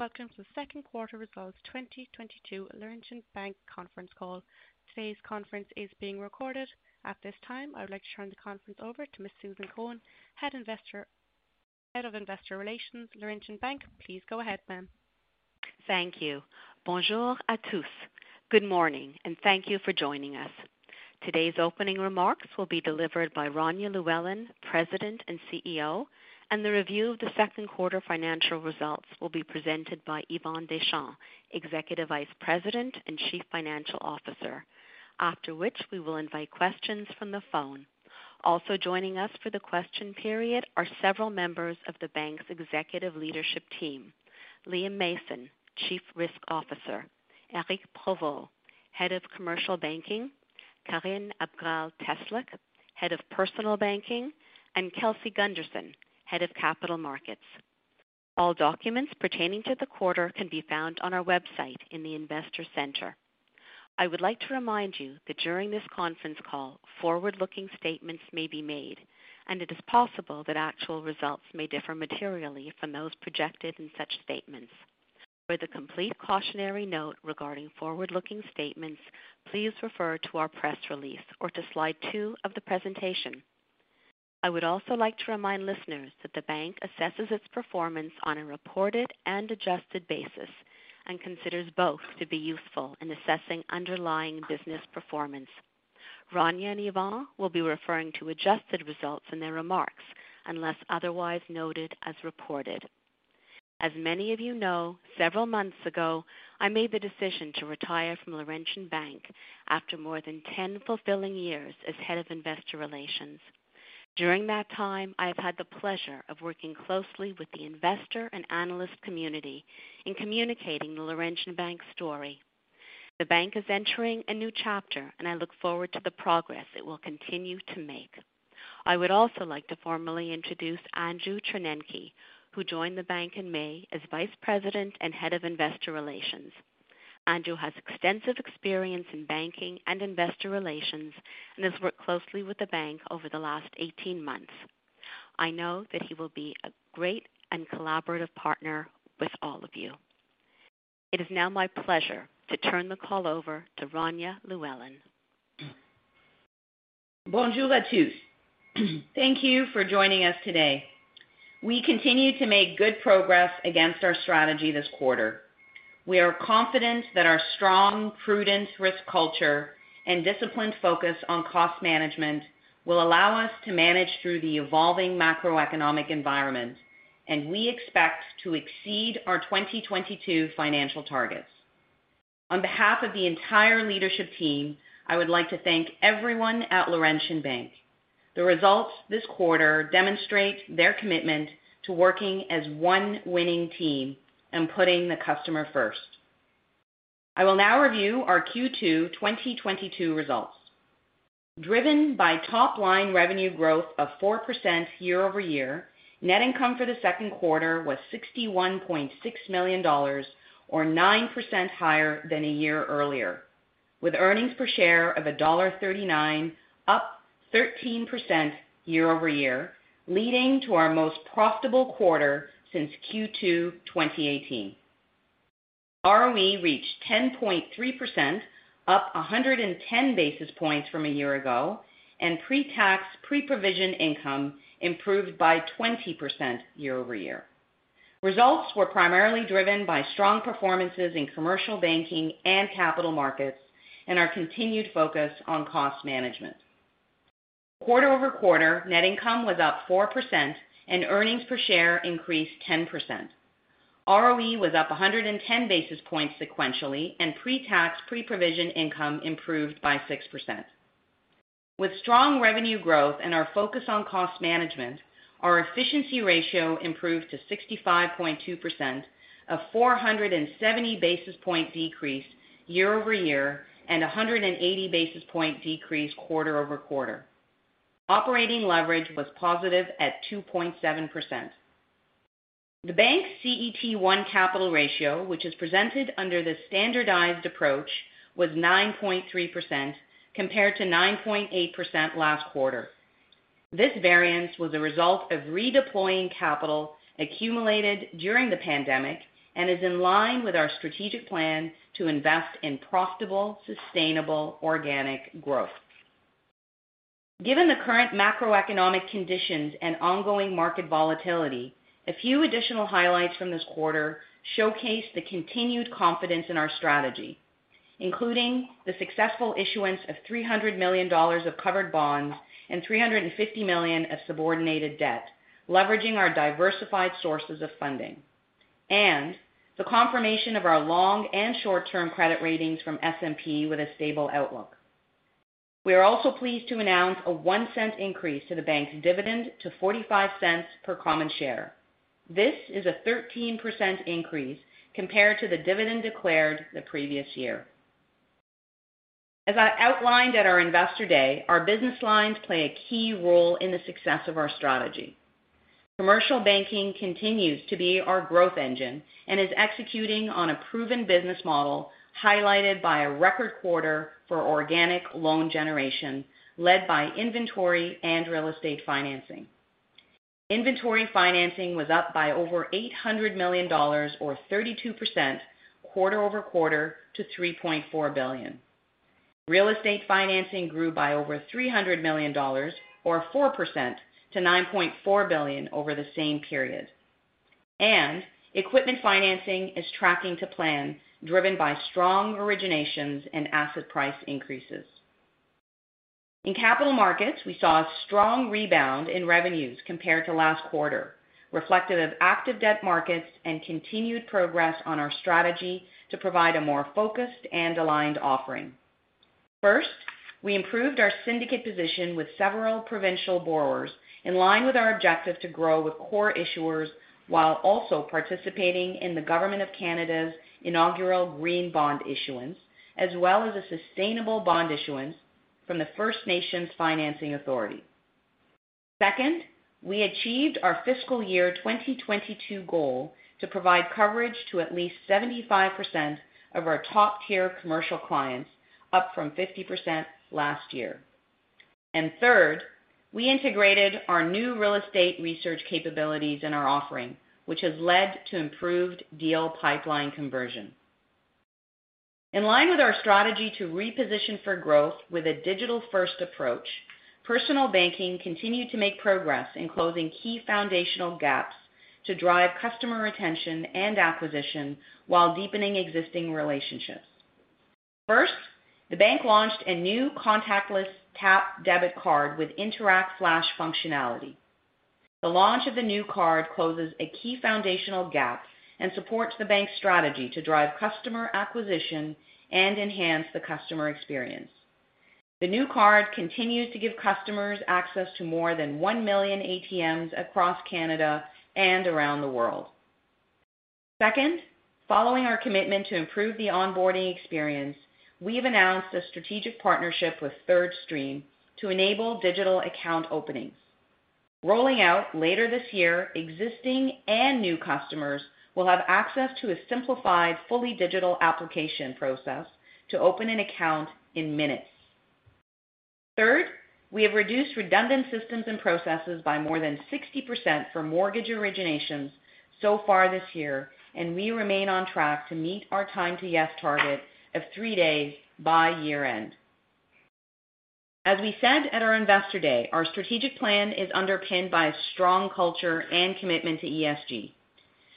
Welcome to Q2 results 2022 Laurentian Bank conference call. Today's conference is being recorded. At this time, I would like to turn the conference over to Ms. Susan Cohen, Head of Investor Relations, Laurentian Bank. Please go ahead, ma'am. Thank you. Bonjour à tous. Good morning, and thank you for joining us. Today's opening remarks will be delivered by Rania Llewellyn, President and CEO, and the review of Q2 financial results will be presented by Yvan Deschamps, Executive Vice President and Chief Financial Officer. After which, we will invite questions from the phone. Also joining us for the question period are several members of the bank's executive leadership team. Liam Mason, Chief Risk Officer, Éric Provost, Head of Commercial Banking, Karine Abgrall-Teslyk, Head of Personal Banking, and Kelsey Gunderson, Head of Capital Markets. All documents pertaining to the quarter can be found on our website in the Investor Center. I would like to remind you that during this conference call, forward-looking statements may be made, and it is possible that actual results may differ materially from those projected in such statements. For the complete cautionary note regarding forward-looking statements, please refer to our press release or to slide 2 of the presentation. I would also like to remind listeners that the bank assesses its performance on a reported and adjusted basis and considers both to be useful in assessing underlying business performance. Rania and Yvan will be referring to adjusted results in their remarks unless otherwise noted as reported. As many of you know, several months ago, I made the decision to retire from Laurentian Bank after more than 10 fulfilling years as Head of Investor Relations. During that time, I have had the pleasure of working closely with the investor and analyst community in communicating the Laurentian Bank story. The bank is entering a new chapter, and I look forward to the progress it will continue to make. I would also like to formally introduce Andrew Chornenky, who joined the bank in May as Vice President and Head of Investor Relations. Andrew has extensive experience in banking and investor relations and has worked closely with the bank over the last 18 months. I know that he will be a great and collaborative partner with all of you. It is now my pleasure to turn the call over to Rania Llewellyn. Bonjour à tous. Thank you for joining us today. We continue to make good progress against our strategy this quarter. We are confident that our strong, prudent risk culture and disciplined focus on cost management will allow us to manage through the evolving macroeconomic environment, and we expect to exceed our 2022 financial targets. On behalf of the entire leadership team, I would like to thank everyone at Laurentian Bank. The results this quarter demonstrate their commitment to working as one winning team and putting the customer first. I will now review our Q2 2022 results. Driven by top line revenue growth of 4% year-over-year, net income for Q2 was 61.6 million dollars or 9% higher than a year earlier, with earnings per share of dollar 1.39, up 13% year-over-year, leading to our most profitable quarter since Q2 2018. ROE reached 10.3%, up 110 basis points from a year ago, and pre-tax, pre-provision income improved by 20% year-over-year. Results were primarily driven by strong performances in commercial banking and capital markets and our continued focus on cost management. Quarter-over-quarter net income was up 4% and earnings per share increased 10%. ROE was up 110 basis points sequentially, and pre-tax, pre-provision income improved by 6%. With strong revenue growth and our focus on cost management, our efficiency ratio improved to 65.2%, a 470 basis point decrease year-over-year and a 180 basis point decrease quarter-over-quarter. Operating leverage was positive at 2.7%. The bank's CET1 capital ratio, which is presented under the standardized approach, was 9.3% compared to 9.8% last quarter. This variance was a result of redeploying capital accumulated during the pandemic and is in line with our strategic plan to invest in profitable, sustainable organic growth. Given the current macroeconomic conditions and ongoing market volatility, a few additional highlights from this quarter showcase the continued confidence in our strategy, including the successful issuance of 300 million dollars of covered bonds and 350 million of subordinated debt, leveraging our diversified sources of funding, and the confirmation of our long- and short-term credit ratings from S&P with a stable outlook. We are also pleased to announce a 0.01 increase to the bank's dividend to 0.45 per common share. This is a 13% increase compared to the dividend declared the previous year. As I outlined at our Investor Day, our business lines play a key role in the success of our strategy. Commercial banking continues to be our growth engine and is executing on a proven business model, highlighted by a record quarter for organic loan generation led by inventory and real estate financing. Inventory financing was up by over 800 million dollars, or 32% quarter-over-quarter to 3.4 billion. Real estate financing grew by over 300 million dollars or 4% to 9.4 billion over the same period. Equipment financing is tracking to plan driven by strong originations and asset price increases. In capital markets, we saw a strong rebound in revenues compared to last quarter, reflective of active debt markets and continued progress on our strategy to provide a more focused and aligned offering. First, we improved our syndicate position with several provincial borrowers in line with our objective to grow with core issuers while also participating in the Government of Canada's inaugural green bond issuance as well as a sustainable bond issuance from the First Nations Finance Authority. Second, we achieved our fiscal year 2022 goal to provide coverage to at least 75% of our top-tier commercial clients, up from 50% last year. Third, we integrated our new real estate research capabilities in our offering, which has led to improved deal pipeline conversion. In line with our strategy to reposition for growth with a digital-first approach, personal banking continued to make progress in closing key foundational gaps to drive customer retention and acquisition while deepening existing relationships. First, the bank launched a new contactless tap debit card with Interac Flash functionality. The launch of the new card closes a key foundational gap and supports the bank's strategy to drive customer acquisition and enhance the customer experience. The new card continues to give customers access to more than 1 million ATMs across Canada and around the world. Second, following our commitment to improve the onboarding experience, we've announced a strategic partnership with Thirdstream to enable digital account openings. Rolling out later this year, existing and new customers will have access to a simplified, fully digital application process to open an account in minutes. Third, we have reduced redundant systems and processes by more than 60% for mortgage originations so far this year, and we remain on track to meet our time to yes target of three days by year-end. As we said at our Investor Day, our strategic plan is underpinned by a strong culture and commitment to ESG.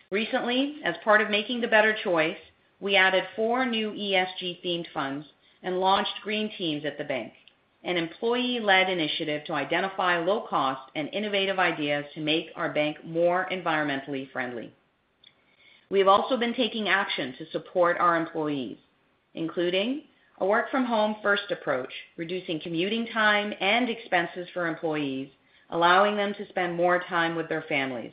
Recently, as part of making the better choice, we added four new ESG-themed funds and launched green teams at the bank, an employee-led initiative to identify low cost and innovative ideas to make our bank more environmentally friendly. We have also been taking action to support our employees, including a work from home first approach, reducing commuting time and expenses for employees, allowing them to spend more time with their families,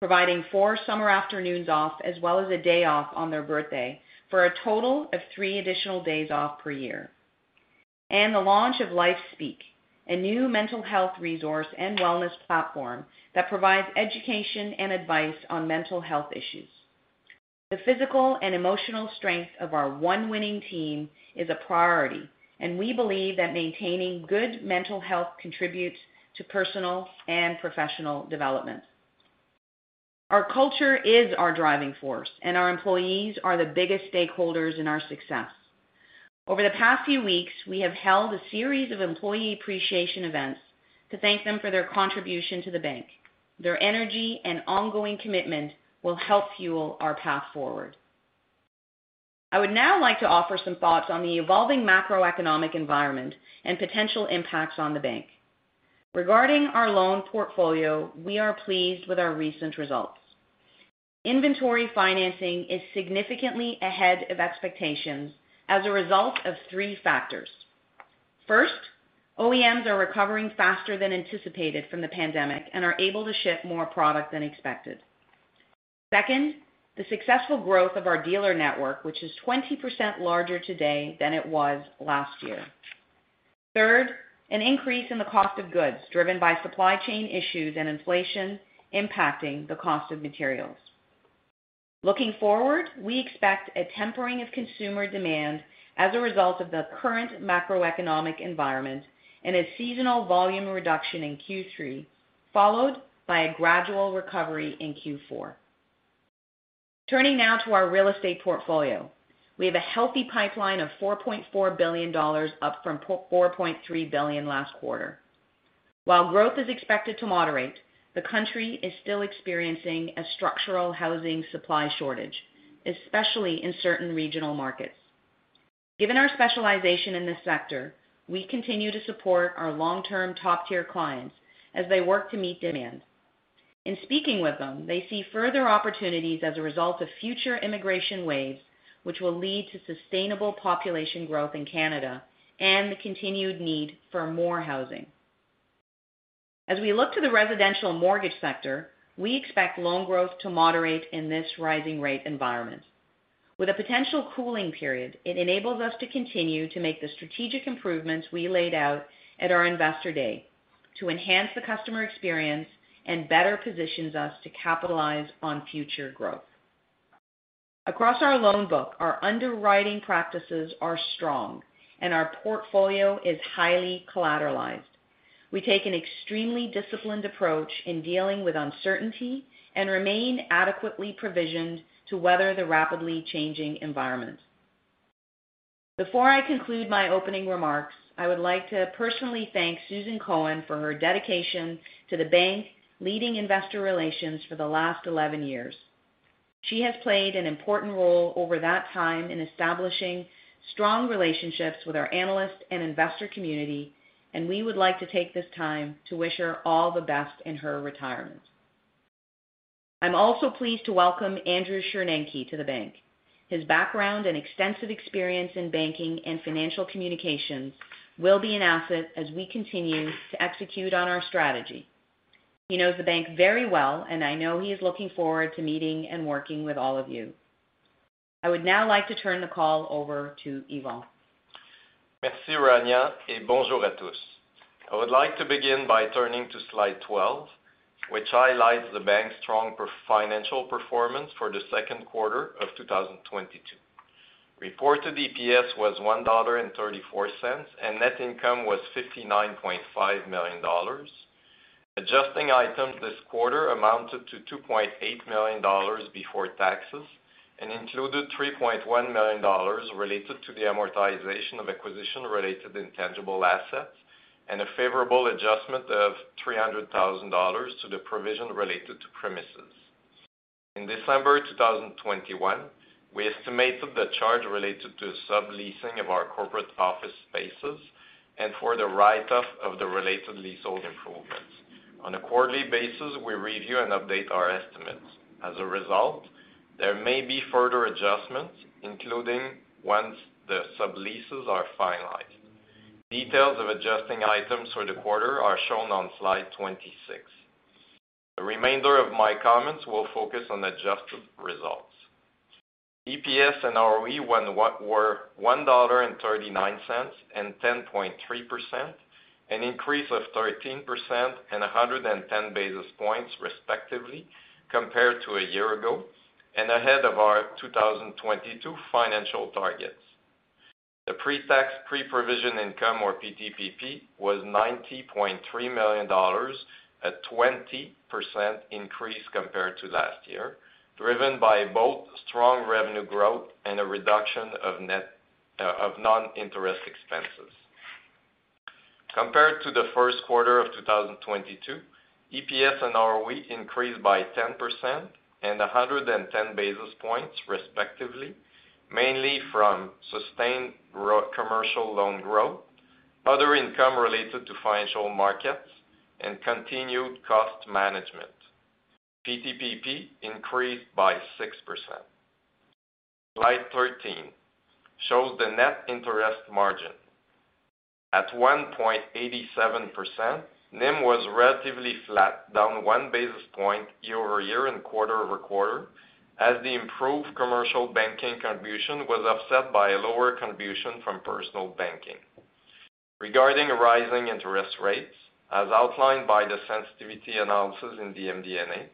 providing four summer afternoons off as well as a day off on their birthday for a total of three additional days off per year. The launch of LifeSpeak, a new mental health resource and wellness platform that provides education and advice on mental health issues. The physical and emotional strength of our one winning team is a priority, and we believe that maintaining good mental health contributes to personal and professional development. Our culture is our driving force, and our employees are the biggest stakeholders in our success. Over the past few weeks, we have held a series of employee appreciation events to thank them for their contribution to the bank. Their energy and ongoing commitment will help fuel our path forward. I would now like to offer some thoughts on the evolving macroeconomic environment and potential impacts on the bank. Regarding our loan portfolio, we are pleased with our recent results. Inventory financing is significantly ahead of expectations as a result of three factors. First, OEMs are recovering faster than anticipated from the pandemic and are able to ship more product than expected. Second, the successful growth of our dealer network, which is 20% larger today than it was last year. Third, an increase in the cost of goods driven by supply chain issues and inflation impacting the cost of materials. Looking forward, we expect a tempering of consumer demand as a result of the current macroeconomic environment and a seasonal volume reduction in Q3 followed by a gradual recovery in Q4. Turning now to our real estate portfolio. We have a healthy pipeline of 4.4 billion dollars, up from 4.3 billion last quarter. While growth is expected to moderate, the country is still experiencing a structural housing supply shortage, especially in certain regional markets. Given our specialization in this sector, we continue to support our long-term top-tier clients as they work to meet demand. In speaking with them, they see further opportunities as a result of future immigration waves, which will lead to sustainable population growth in Canada and the continued need for more housing. As we look to the residential mortgage sector, we expect loan growth to moderate in this rising rate environment. With a potential cooling period, it enables us to continue to make the strategic improvements we laid out at our Investor Day to enhance the customer experience and better positions us to capitalize on future growth. Across our loan book, our underwriting practices are strong, and our portfolio is highly collateralized. We take an extremely disciplined approach in dealing with uncertainty and remain adequately provisioned to weather the rapidly changing environment. Before I conclude my opening remarks, I would like to personally thank Susan Cohen for her dedication to the bank, leading investor relations for the last eleven years. She has played an important role over that time in establishing strong relationships with our analyst and investor community, and we would like to take this time to wish her all the best in her retirement. I'm also pleased to welcome Andrew Chornenky to the bank. His background and extensive experience in banking and financial communications will be an asset as we continue to execute on our strategy. He knows the bank very well, and I know he is looking forward to meeting and working with all of you. I would now like to turn the call over to Yvan. Merci, Rania, et bonjour à tous. I would like to begin by turning to slide 12, which highlights the bank's strong financial performance for Q2 of 2022. Reported EPS was 1.34 dollar, and net income was 59.5 million dollars. Adjusting items this quarter amounted to 2.8 million dollars before taxes and included 3.1 million dollars related to the amortization of acquisition-related intangible assets and a favorable adjustment of 300,000 dollars to the provision related to premises. In December 2021, we estimated the charge related to the subleasing of our corporate office spaces and for the write-off of the related leasehold improvements. On a quarterly basis, we review and update our estimates. As a result, there may be further adjustments, including once the subleases are finalized. Details of adjusting items for the quarter are shown on slide 26. The remainder of my comments will focus on adjusted results. EPS and ROE were 1.39 dollar and 10.3%, an increase of 13% and 110 basis points respectively compared to a year ago and ahead of our 2022 financial targets. The Pre-Tax, Pre-Provision Income, or PTPP, was 90.3 million dollars, a 20% increase compared to last year, driven by both strong revenue growth and a reduction of non-interest expenses. Compared to the first quarter of 2022, EPS and ROE increased by 10% and 110 basis points respectively, mainly from sustained commercial loan growth, other income related to financial markets, and continued cost management. PTPP increased by 6%. Slide 13 shows the net interest margin. At 1.87%, NIM was relatively flat, down 1 basis point year-over-year and quarter-over-quarter, as the improved commercial banking contribution was offset by a lower contribution from personal banking. Regarding rising interest rates, as outlined by the sensitivity analysis in the MD&A,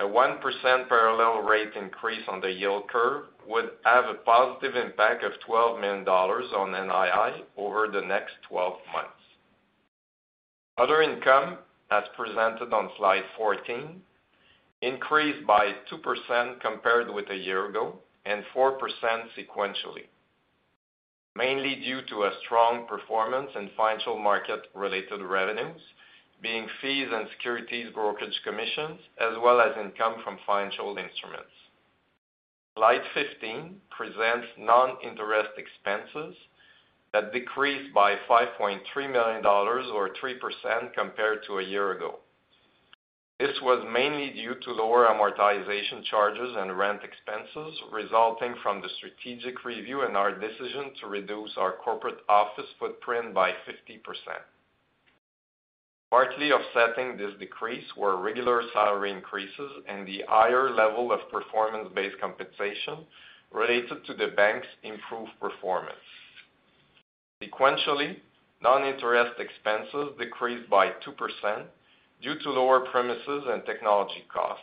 a 1% parallel rate increase on the yield curve would have a positive impact of 12 million dollars on NII over the next 12 months. Other income, as presented on slide 14, increased by 2% compared with a year ago and 4% sequentially, mainly due to a strong performance in financial market-related revenues, being fees and securities brokerage commissions, as well as income from financial instruments. Slide 15 presents non-interest expenses that decreased by 5.3 million dollars or 3% compared to a year ago. This was mainly due to lower amortization charges and rent expenses resulting from the strategic review and our decision to reduce our corporate office footprint by 50%. Partly offsetting this decrease were regular salary increases and the higher level of performance-based compensation related to the bank's improved performance. Sequentially, non-interest expenses decreased by 2% due to lower premises and technology costs,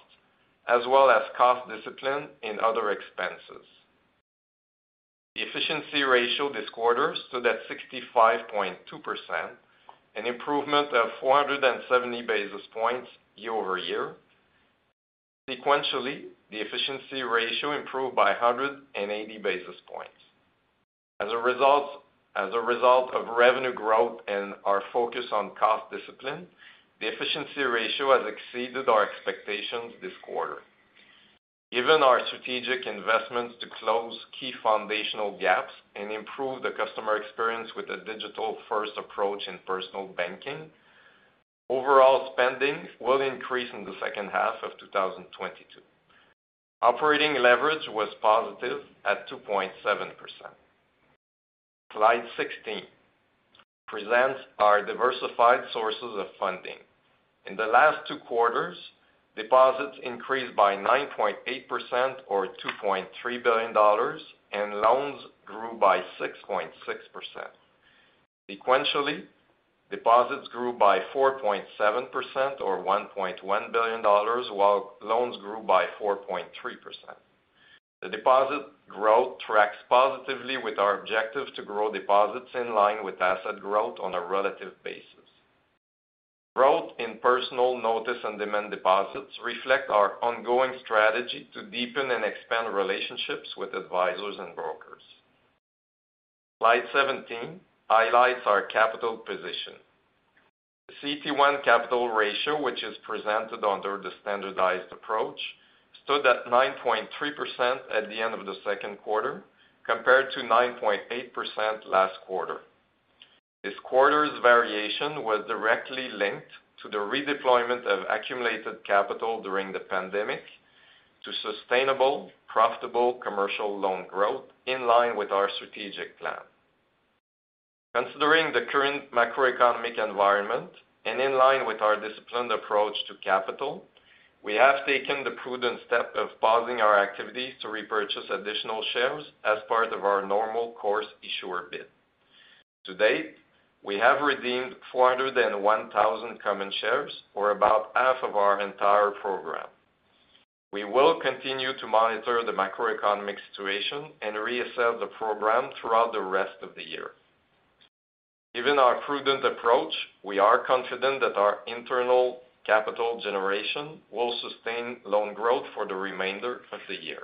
as well as cost discipline in other expenses. The efficiency ratio this quarter stood at 65.2%, an improvement of 470 basis points year-over-year. Sequentially, the efficiency ratio improved by 180 basis points. As a result of revenue growth and our focus on cost discipline, the efficiency ratio has exceeded our expectations this quarter. Given our strategic investments to close key foundational gaps and improve the customer experience with a digital-first approach in personal banking, overall spending will increase in the second half of 2022. Operating leverage was positive at 2.7%. Slide 16 presents our diversified sources of funding. In the last two quarters, deposits increased by 9.8% or 2.3 billion dollars and loans grew by 6.6%. Sequentially, deposits grew by 4.7% or 1.1 billion dollars while loans grew by 4.3%. The deposit growth tracks positively with our objective to grow deposits in line with asset growth on a relative basis. Growth in personal notice and demand deposits reflect our ongoing strategy to deepen and expand relationships with advisors and brokers. Slide 17 highlights our capital position. The CET1 capital ratio, which is presented under the standardized approach, stood at 9.3% at the end of Q2, compared to 9.8% last quarter. This quarter's variation was directly linked to the redeployment of accumulated capital during the pandemic to sustainable, profitable commercial loan growth in line with our strategic plan. Considering the current macroeconomic environment and in line with our disciplined approach to capital, we have taken the prudent step of pausing our activities to repurchase additional shares as part of our normal course issuer bid. To date, we have redeemed 401,000 common shares, or about half of our entire program. We will continue to monitor the macroeconomic situation and reassess the program throughout the rest of the year. Given our prudent approach, we are confident that our internal capital generation will sustain loan growth for the remainder of the year.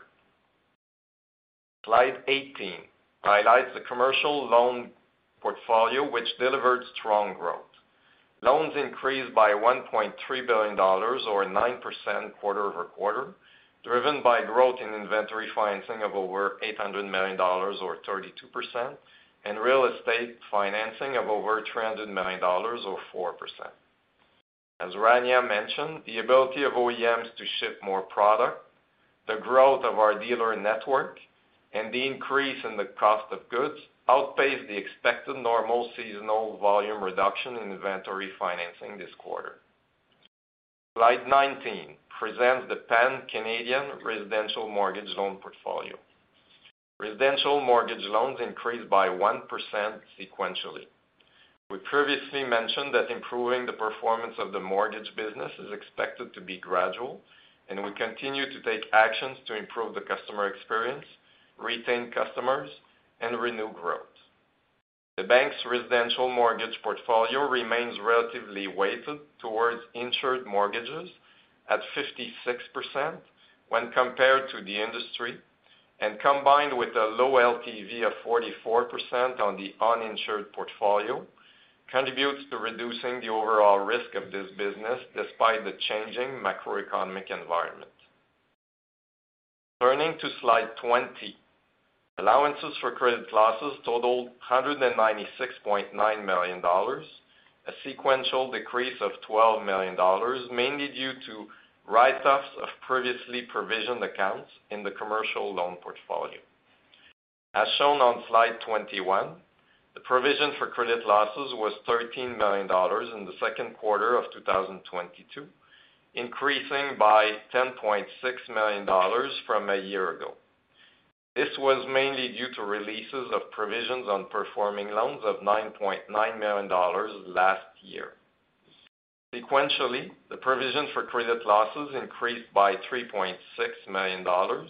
Slide 18 highlights the commercial loan portfolio, which delivered strong growth. Loans increased by 1.3 billion dollars or 9% quarter-over-quarter, driven by growth in inventory financing of over 800 million dollars or 32%, and real estate financing of over 300 million dollars or 4%. As Rania mentioned, the ability of OEMs to ship more product, the growth of our dealer network, and the increase in the cost of goods outpaced the expected normal seasonal volume reduction in inventory financing this quarter. Slide 19 presents the pan-Canadian residential mortgage loan portfolio. Residential mortgage loans increased by 1% sequentially. We previously mentioned that improving the performance of the mortgage business is expected to be gradual, and we continue to take actions to improve the customer experience, retain customers, and renew growth. The bank's residential mortgage portfolio remains relatively weighted towards insured mortgages at 56% when compared to the industry, and combined with a low LTV of 44% on the uninsured portfolio, contributes to reducing the overall risk of this business despite the changing macroeconomic environment. Turning to slide 20. Allowances for credit losses totaled 196.9 million dollars, a sequential decrease of 12 million dollars, mainly due to write-offs of previously provisioned accounts in the commercial loan portfolio. As shown on slide 21, the provision for credit losses was 13 million dollars in Q2 of 2022, increasing by 10.6 million dollars from a year ago. This was mainly due to releases of provisions on performing loans of 9.9 million dollars last year. Sequentially, the provision for credit losses increased by 3.6 million dollars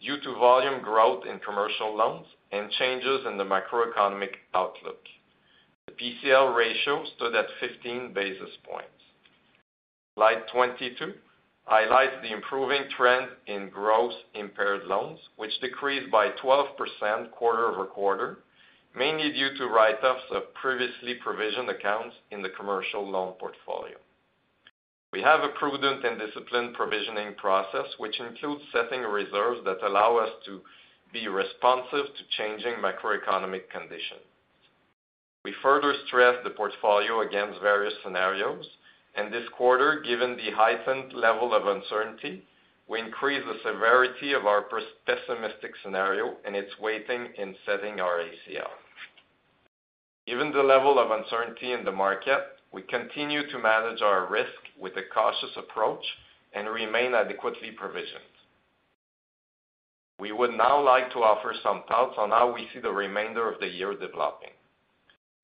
due to volume growth in commercial loans and changes in the macroeconomic outlook. The PCL ratio stood at 15 basis points. Slide 22 highlights the improving trend in gross impaired loans, which decreased by 12% quarter-over-quarter, mainly due to write-offs of previously provisioned accounts in the commercial loan portfolio. We have a prudent and disciplined provisioning process, which includes setting reserves that allow us to be responsive to changing macroeconomic conditions. We further stress the portfolio against various scenarios, and this quarter, given the heightened level of uncertainty, we increased the severity of our pessimistic scenario and its weighting in setting our ACL. Given the level of uncertainty in the market, we continue to manage our risk with a cautious approach and remain adequately provisioned. We would now like to offer some thoughts on how we see the remainder of the year developing.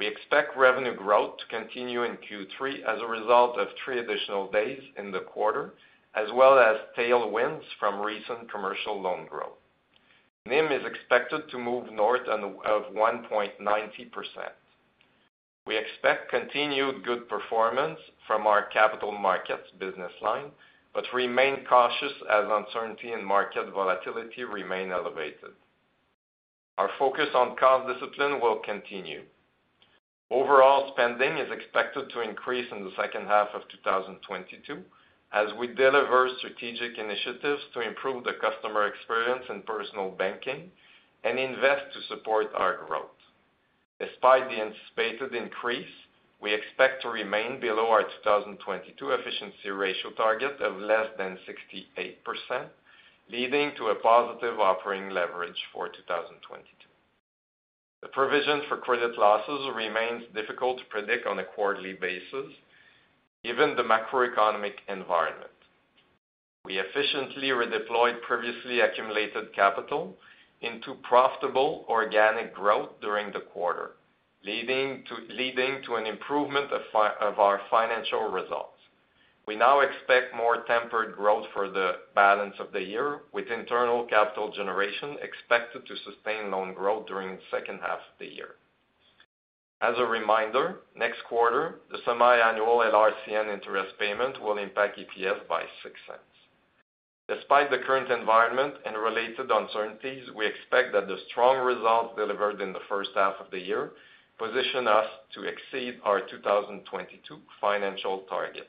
We expect revenue growth to continue in Q3 as a result of three additional days in the quarter, as well as tailwinds from recent commercial loan growth. NIM is expected to move north of 1.90%. We expect continued good performance from our capital markets business line, but remain cautious as uncertainty and market volatility remain elevated. Our focus on cost discipline will continue. Overall spending is expected to increase in the second half of 2022 as we deliver strategic initiatives to improve the customer experience in personal banking and invest to support our growth. Despite the anticipated increase, we expect to remain below our 2022 efficiency ratio target of less than 68%, leading to a positive operating leverage for 2022. The provision for credit losses remains difficult to predict on a quarterly basis given the macroeconomic environment. We efficiently redeployed previously accumulated capital into profitable organic growth during the quarter, leading to an improvement of our financial results. We now expect more tempered growth for the balance of the year, with internal capital generation expected to sustain loan growth during the second half of the year. As a reminder, next quarter, the semiannual LRCN interest payment will impact EPS by 0.06. Despite the current environment and related uncertainties, we expect that the strong results delivered in the first half of the year position us to exceed our 2022 financial targets.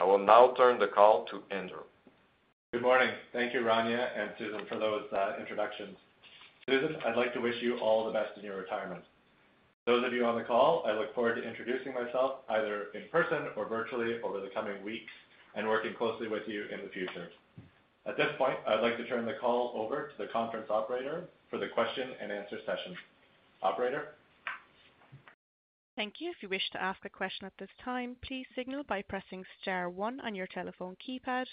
I will now turn the call to Andrew. Good morning. Thank you, Rania and Susan, for those introductions. Susan, I'd like to wish you all the best in your retirement. Those of you on the call, I look forward to introducing myself either in person or virtually over the coming weeks and working closely with you in the future. At this point, I'd like to turn the call over to the conference operator for the question and answer session. Operator. Thank you. If you wish to ask a question at this time, please signal by pressing star one on your telephone keypad.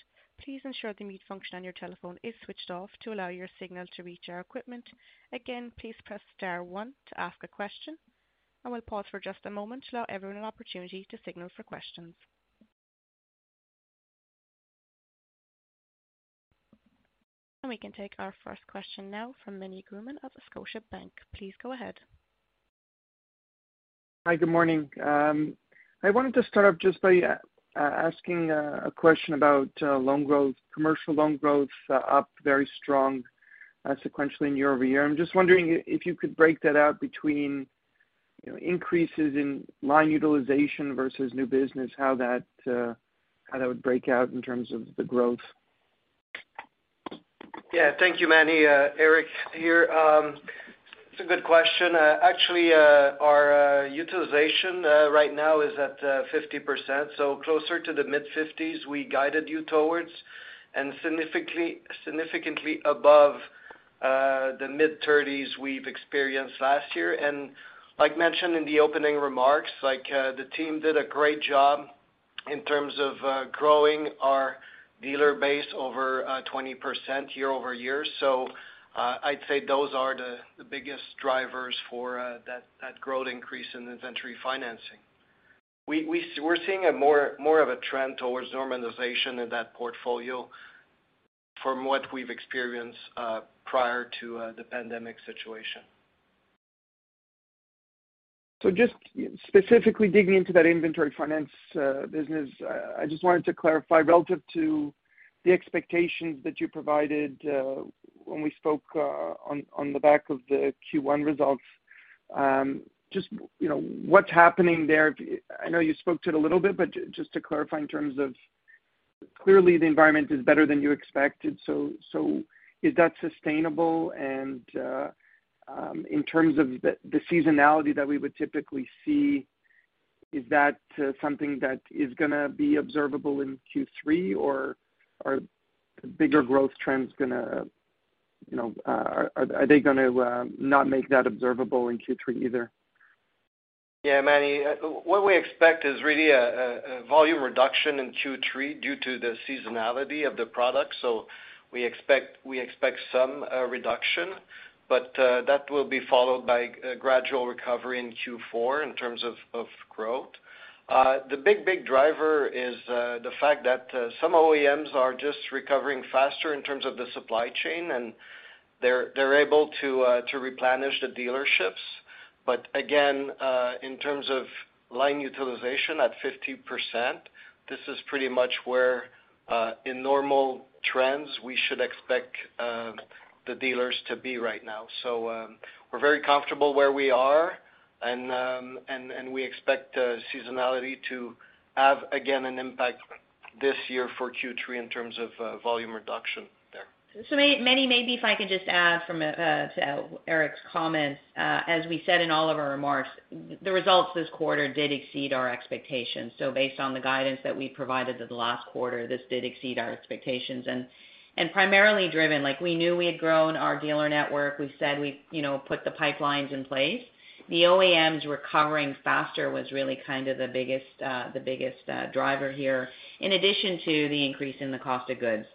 Please ensure the mute function on your telephone is switched off to allow your signal to reach our equipment. Again, please press star one to ask a question, and we'll pause for just a moment to allow everyone an opportunity to signal for questions. We can take our first question now from Meny Grauman of Scotiabank. Please go ahead. Hi, good morning. I wanted to start off just by asking a question about loan growth. Commercial loan growth's up very strong sequentially and year over year. I'm just wondering if you could break that out between, you know, increases in line utilization versus new business, how that would break out in terms of the growth. Yeah, thank you, Meny. Éric here. It's a good question. Actually, our utilization right now is at 50%, so closer to the mid-50s we guided you towards, and significantly above the mid-30s we've experienced last year. As mentioned in the opening remarks, like, the team did a great job in terms of growing our dealer base over 20% year-over-year. I'd say those are the biggest drivers for that growth increase in inventory financing. We're seeing more of a trend towards normalization in that portfolio from what we've experienced prior to the pandemic situation. Just specifically digging into that inventory financing business, I just wanted to clarify relative to the expectations that you provided when we spoke on the back of the Q1 results, you know, what's happening there. I know you spoke to it a little bit, but just to clarify in terms of clearly the environment is better than you expected. Is that sustainable? In terms of the seasonality that we would typically see, is that something that is gonna be observable in Q3 or are bigger growth trends gonna, you know, are they gonna not make that observable in Q3 either? Meny, what we expect is really a volume reduction in Q3 due to the seasonality of the product. We expect some reduction, but that will be followed by a gradual recovery in Q4 in terms of growth. The big driver is the fact that some OEMs are just recovering faster in terms of the supply chain, and they're able to replenish the dealerships. Again, in terms of line utilization at 50%, this is pretty much where in normal trends we should expect the dealers to be right now. We're very comfortable where we are and we expect seasonality to have, again, an impact this year for Q3 in terms of volume reduction there. Meny, maybe if I could just add to Éric's comment. As we said in all of our remarks, the results this quarter did exceed our expectations. Based on the guidance that we provided at the last quarter, this did exceed our expectations. Primarily driven, like we knew we had grown our dealer network. We said we'd, you know, put the pipelines in place. The OEMs recovering faster was really kind of the biggest driver here, in addition to the increase in the cost of goods.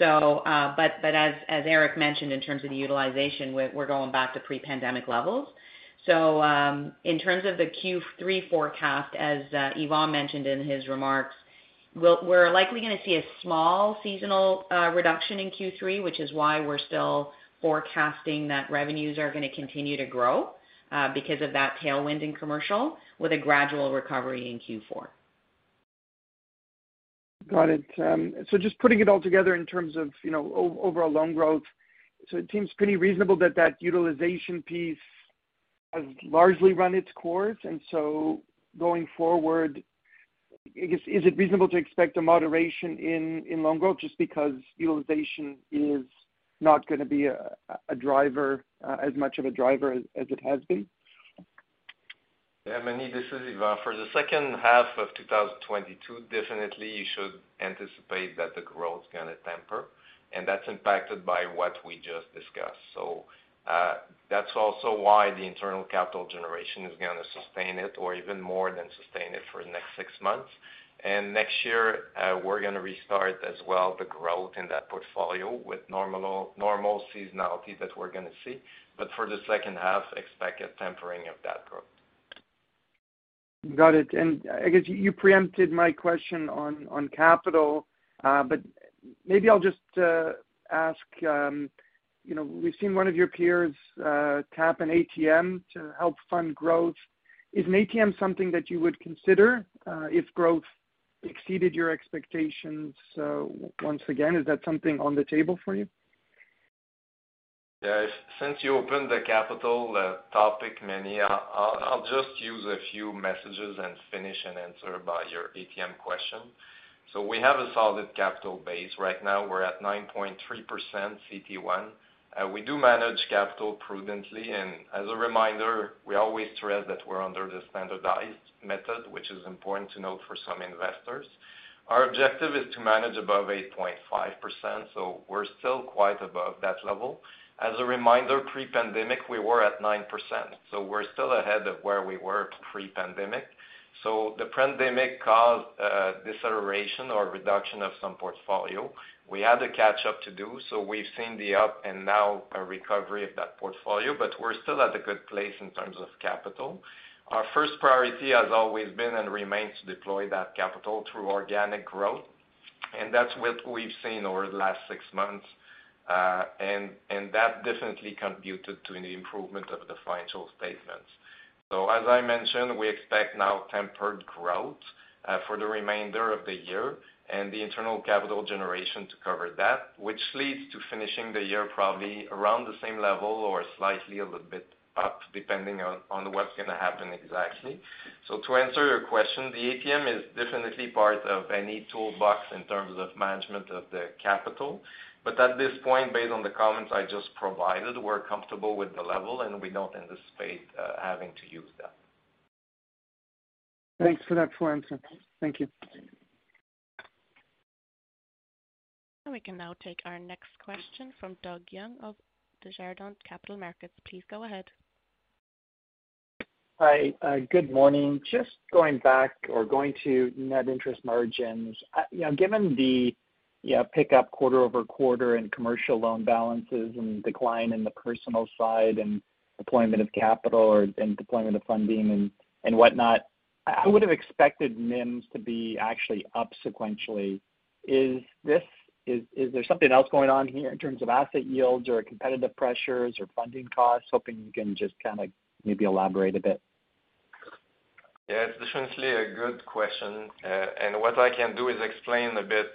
As Éric mentioned in terms of the utilization, we're going back to pre-pandemic levels. In terms of the Q3 forecast, as Yvan mentioned in his remarks, we're likely gonna see a small seasonal reduction in Q3, which is why we're still forecasting that revenues are gonna continue to grow, because of that tailwind in commercial with a gradual recovery in Q4. Got it. So just putting it all together in terms of, you know, overall loan growth. It seems pretty reasonable that utilization piece has largely run its course. Going forward, I guess, is it reasonable to expect a moderation in loan growth just because utilization is not gonna be a driver as much of a driver as it has been? Yeah, Meny Grauman, this is Yvan Deschamps. For the second half of 2022, definitely you should anticipate that the growth is gonna temper, and that's impacted by what we just discussed. That's also why the internal capital generation is gonna sustain it or even more than sustain it for the next 6 months. Next year, we're gonna restart as well the growth in that portfolio with normal seasonality that we're gonna see. For the second half, expect a tempering of that growth. Got it. I guess you preempted my question on capital, but maybe I'll just ask, you know, we've seen one of your peers tap an ATM to help fund growth. Is an ATM something that you would consider if growth exceeded your expectations once again? Is that something on the table for you? Yes. Since you opened the capital topic, Meny, I'll just use a few minutes and finish and answer about your ATM question. We have a solid capital base. Right now, we're at 9.3% CET1. We do manage capital prudently, and as a reminder, we always stress that we're under the standardized approach, which is important to note for some investors. Our objective is to manage above 8.5%, so we're still quite above that level. As a reminder, pre-pandemic, we were at 9%, so we're still ahead of where we were pre-pandemic. The pandemic caused deceleration or reduction of some portfolio. We had a catch-up to do, so we've seen the up and now a recovery of that portfolio, but we're still at a good place in terms of capital. Our first priority has always been and remains to deploy that capital through organic growth. That's what we've seen over the last six months, and that definitely contributed to the improvement of the financial statements. As I mentioned, we expect now tempered growth for the remainder of the year and the internal capital generation to cover that, which leads to finishing the year probably around the same level or slightly a little bit up, depending on what's gonna happen exactly. To answer your question, the ATM is definitely part of any toolbox in terms of management of the capital. At this point, based on the comments I just provided, we're comfortable with the level, and we don't anticipate having to use that. Thanks for that full answer. Thank you. We can now take our next question from Doug Young of Desjardins Capital Markets. Please go ahead. Hi. Good morning. Just going back or going to net interest margins, you know, given the, you know, pick-up quarter-over-quarter in commercial loan balances and decline in the personal side and deployment of capital and deployment of funding and whatnot, I would have expected NIMs to be actually up sequentially. Is there something else going on here in terms of asset yields or competitive pressures or funding costs? Hoping you can just kinda maybe elaborate a bit. Yeah, it's definitely a good question. What I can do is explain a bit,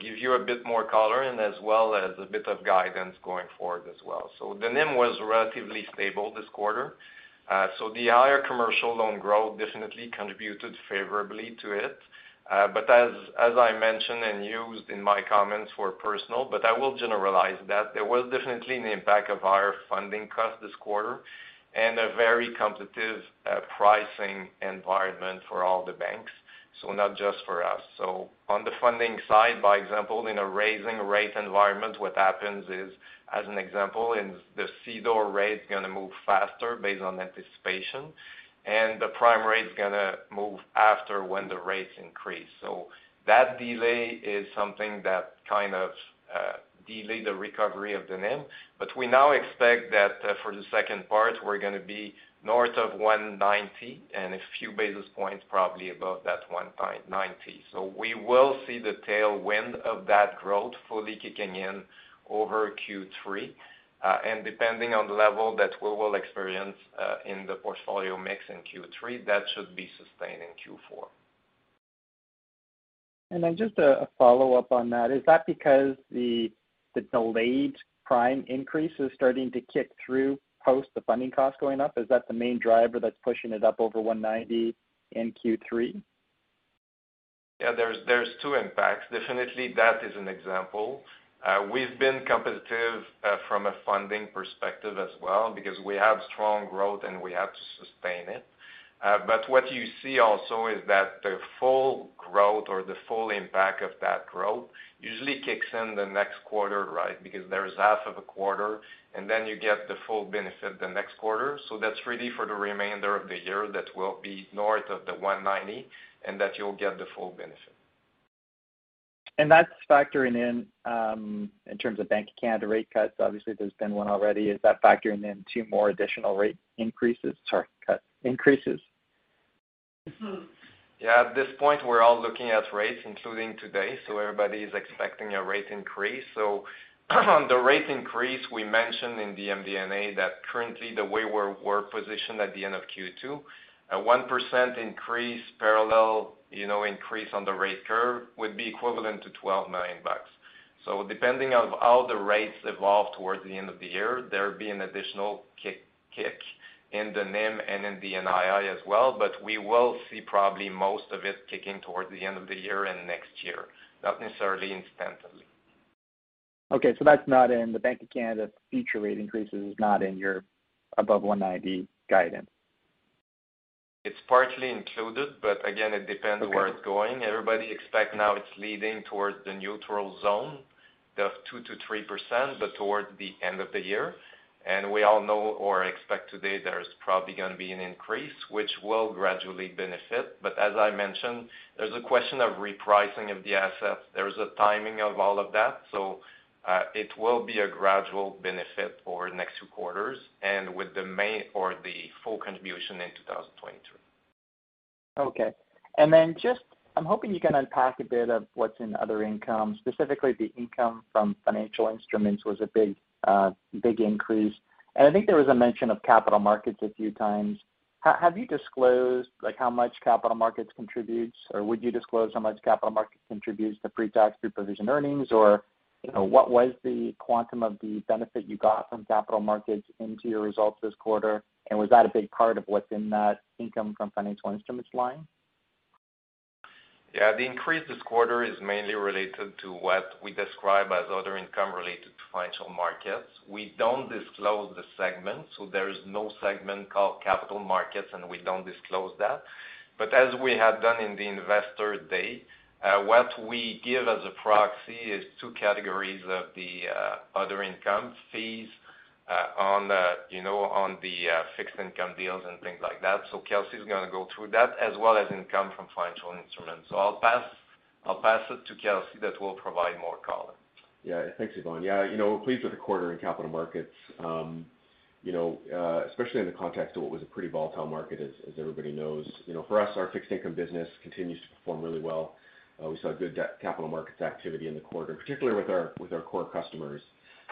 give you a bit more color as well as a bit of guidance going forward as well. The NIM was relatively stable this quarter. The higher commercial loan growth definitely contributed favorably to it. As I mentioned and used in my comments for personal, but I will generalize that, there was definitely an impact of our funding cost this quarter and a very competitive pricing environment for all the banks, so not just for us. On the funding side, for example, in a rising rate environment, what happens is, as an example, the CDOR rate is gonna move faster based on anticipation, and the prime rate is gonna move after when the rates increase. That delay is something that kind of delay the recovery of the NIM. We now expect that for the second part, we're gonna be north of 190 and a few basis points probably above that 190. We will see the tailwind of that growth fully kicking in over Q3. And depending on the level that we will experience in the portfolio mix in Q3, that should be sustained in Q4. Just a follow-up on that. Is that because the delayed prime increase is starting to kick through post the funding cost going up? Is that the main driver that's pushing it up over 1.90 in Q3? Yeah. There's two impacts. Definitely, that is an example. We've been competitive from a funding perspective as well because we have strong growth and we have to sustain it. What you see also is that the full growth or the full impact of that growth usually kicks in the next quarter, right? Because there's half of a quarter, and then you get the full benefit the next quarter. That's really for the remainder of the year that will be north of the 190, and that you'll get the full benefit. That's factoring in terms of Bank of Canada rate cuts. Obviously, there's been 1 already. Is that factoring in 2 more additional rate increases or cut increases? Yeah. At this point, we're all looking at rates, including today, so everybody is expecting a rate increase. The rate increase we mentioned in the MD&A that currently the way we're positioned at the end of Q2, a 1% increase parallel, you know, increase on the rate curve would be equivalent to 12 million bucks. Depending on how the rates evolve towards the end of the year, there'll be an additional kick in the NIM and in the NII as well, but we will see probably most of it kicking towards the end of the year and next year, not necessarily instantly. Okay. That's not in. The Bank of Canada future rate increases is not in your above 1.90% guidance. It's partially included, but again, it depends where it's going. Everybody expects now it's leading towards the neutral zone of 2%-3%, but towards the end of the year. We all know or expect today there's probably gonna be an increase, which will gradually benefit. As I mentioned, there's a question of repricing of the assets. There's a timing of all of that. It will be a gradual benefit over the next two quarters and with the main or the full contribution in 2022. Okay. Just I'm hoping you can unpack a bit of what's in other income, specifically the income from financial instruments was a big increase. I think there was a mention of capital markets a few times. Have you disclosed, like, how much capital markets contributes, or would you disclose how much capital markets contributes to pre-tax pre-provision earnings? Or, you know, what was the quantum of the benefit you got from capital markets into your results this quarter? Was that a big part of what's in that income from financial instruments line? Yeah. The increase this quarter is mainly related to what we describe as other income related to financial markets. We don't disclose the segment, so there is no segment called capital markets, and we don't disclose that. As we have done in the Investor Day, what we give as a proxy is two categories of the other income fees on the, you know, on the fixed income deals and things like that. Kelsey is gonna go through that as well as income from financial instruments. I'll pass it to Kelsey that will provide more color. Yeah. Thanks, Yvan. Yeah. You know, we're pleased with the quarter in capital markets, you know, especially in the context of what was a pretty volatile market as everybody knows. You know, for us, our fixed income business continues to perform really well. We saw good capital markets activity in the quarter, particularly with our core customers.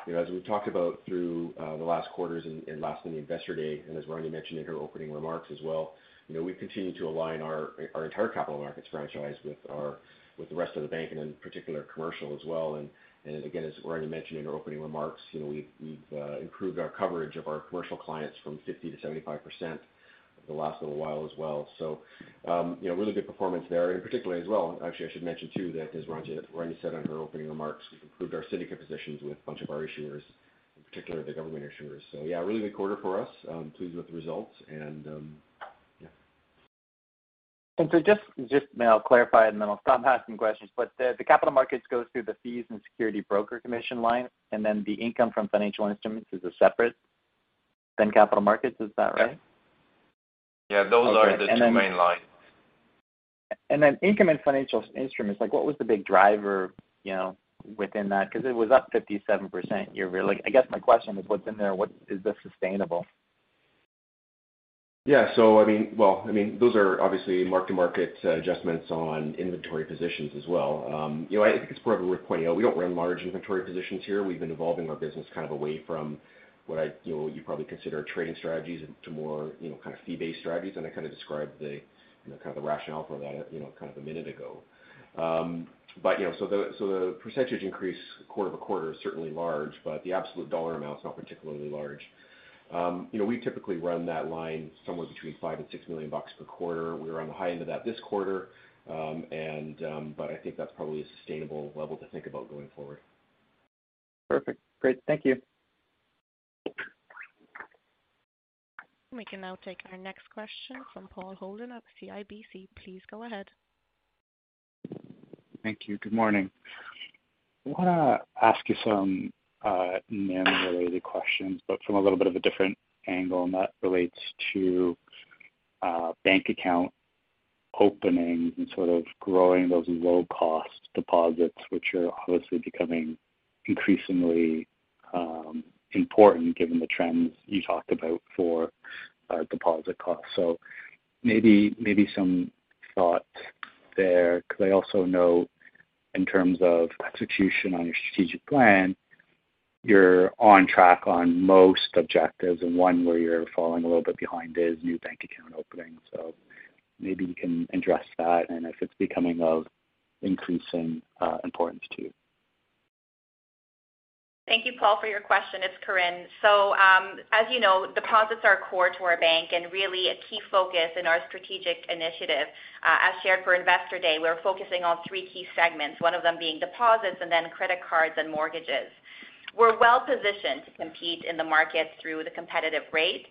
You know, as we've talked about through the last quarters and last in the Investor Day, and as Rania mentioned in her opening remarks as well, you know, we've continued to align our entire capital markets franchise with the rest of the bank and in particular commercial as well. Again, as Rania mentioned in her opening remarks, you know, we've improved our coverage of our commercial clients from 50%-75% over the last little while as well. You know, really good performance there. Particularly as well, actually, I should mention too that as Rania said in her opening remarks, we've improved our syndicate positions with a bunch of our issuers, in particular the government issuers. Yeah, really good quarter for us. I'm pleased with the results. Yeah. Just maybe I'll clarify it, and then I'll stop asking questions. The capital markets goes through the fees and securities brokerage commission line, and then the income from financial instruments is separate from capital markets. Is that right? Yeah. Yeah. Those are the two main lines. Income and financial instruments, like what was the big driver, you know, within that? Because it was up 57% year-over-year. Like, I guess my question is what's in there? What is this sustainable? I mean, those are obviously mark-to-market adjustments on inventory positions as well. You know, I think it's probably worth pointing out, we don't run large inventory positions here. We've been evolving our business kind of away from what I, you know, you probably consider trading strategies into more, you know, kind of fee-based strategies. I kind of described the, you know, kind of the rationale for that, you know, kind of a minute ago. The percentage increase quarter-over-quarter is certainly large, but the absolute dollar amount is not particularly large. You know, we typically run that line somewhere between 5 million and 6 million bucks per quarter. We were on the high end of that this quarter. I think that's probably a sustainable level to think about going forward. Perfect. Great. Thank you. We can now take our next question from Paul Holden of CIBC. Please go ahead. Thank you. Good morning. I wanna ask you some mainly related questions, but from a little bit of a different angle, and that relates to bank account opening and sort of growing those low-cost deposits, which are obviously becoming increasingly important given the trends you talked about for deposit costs. Maybe some thought there, because I also know in terms of execution on your strategic plan, you're on track on most objectives, and one where you're falling a little bit behind is new bank account openings. Maybe you can address that and if it's becoming of increasing importance to you. Thank you, Paul, for your question. It's Karine Abgrall-Teslyk. As you know, deposits are core to our bank and really a key focus in our strategic initiative. As shared for Investor Day, we're focusing on three key segments, one of them being deposits and then credit cards and mortgages. We're well positioned to compete in the market through the competitive rate.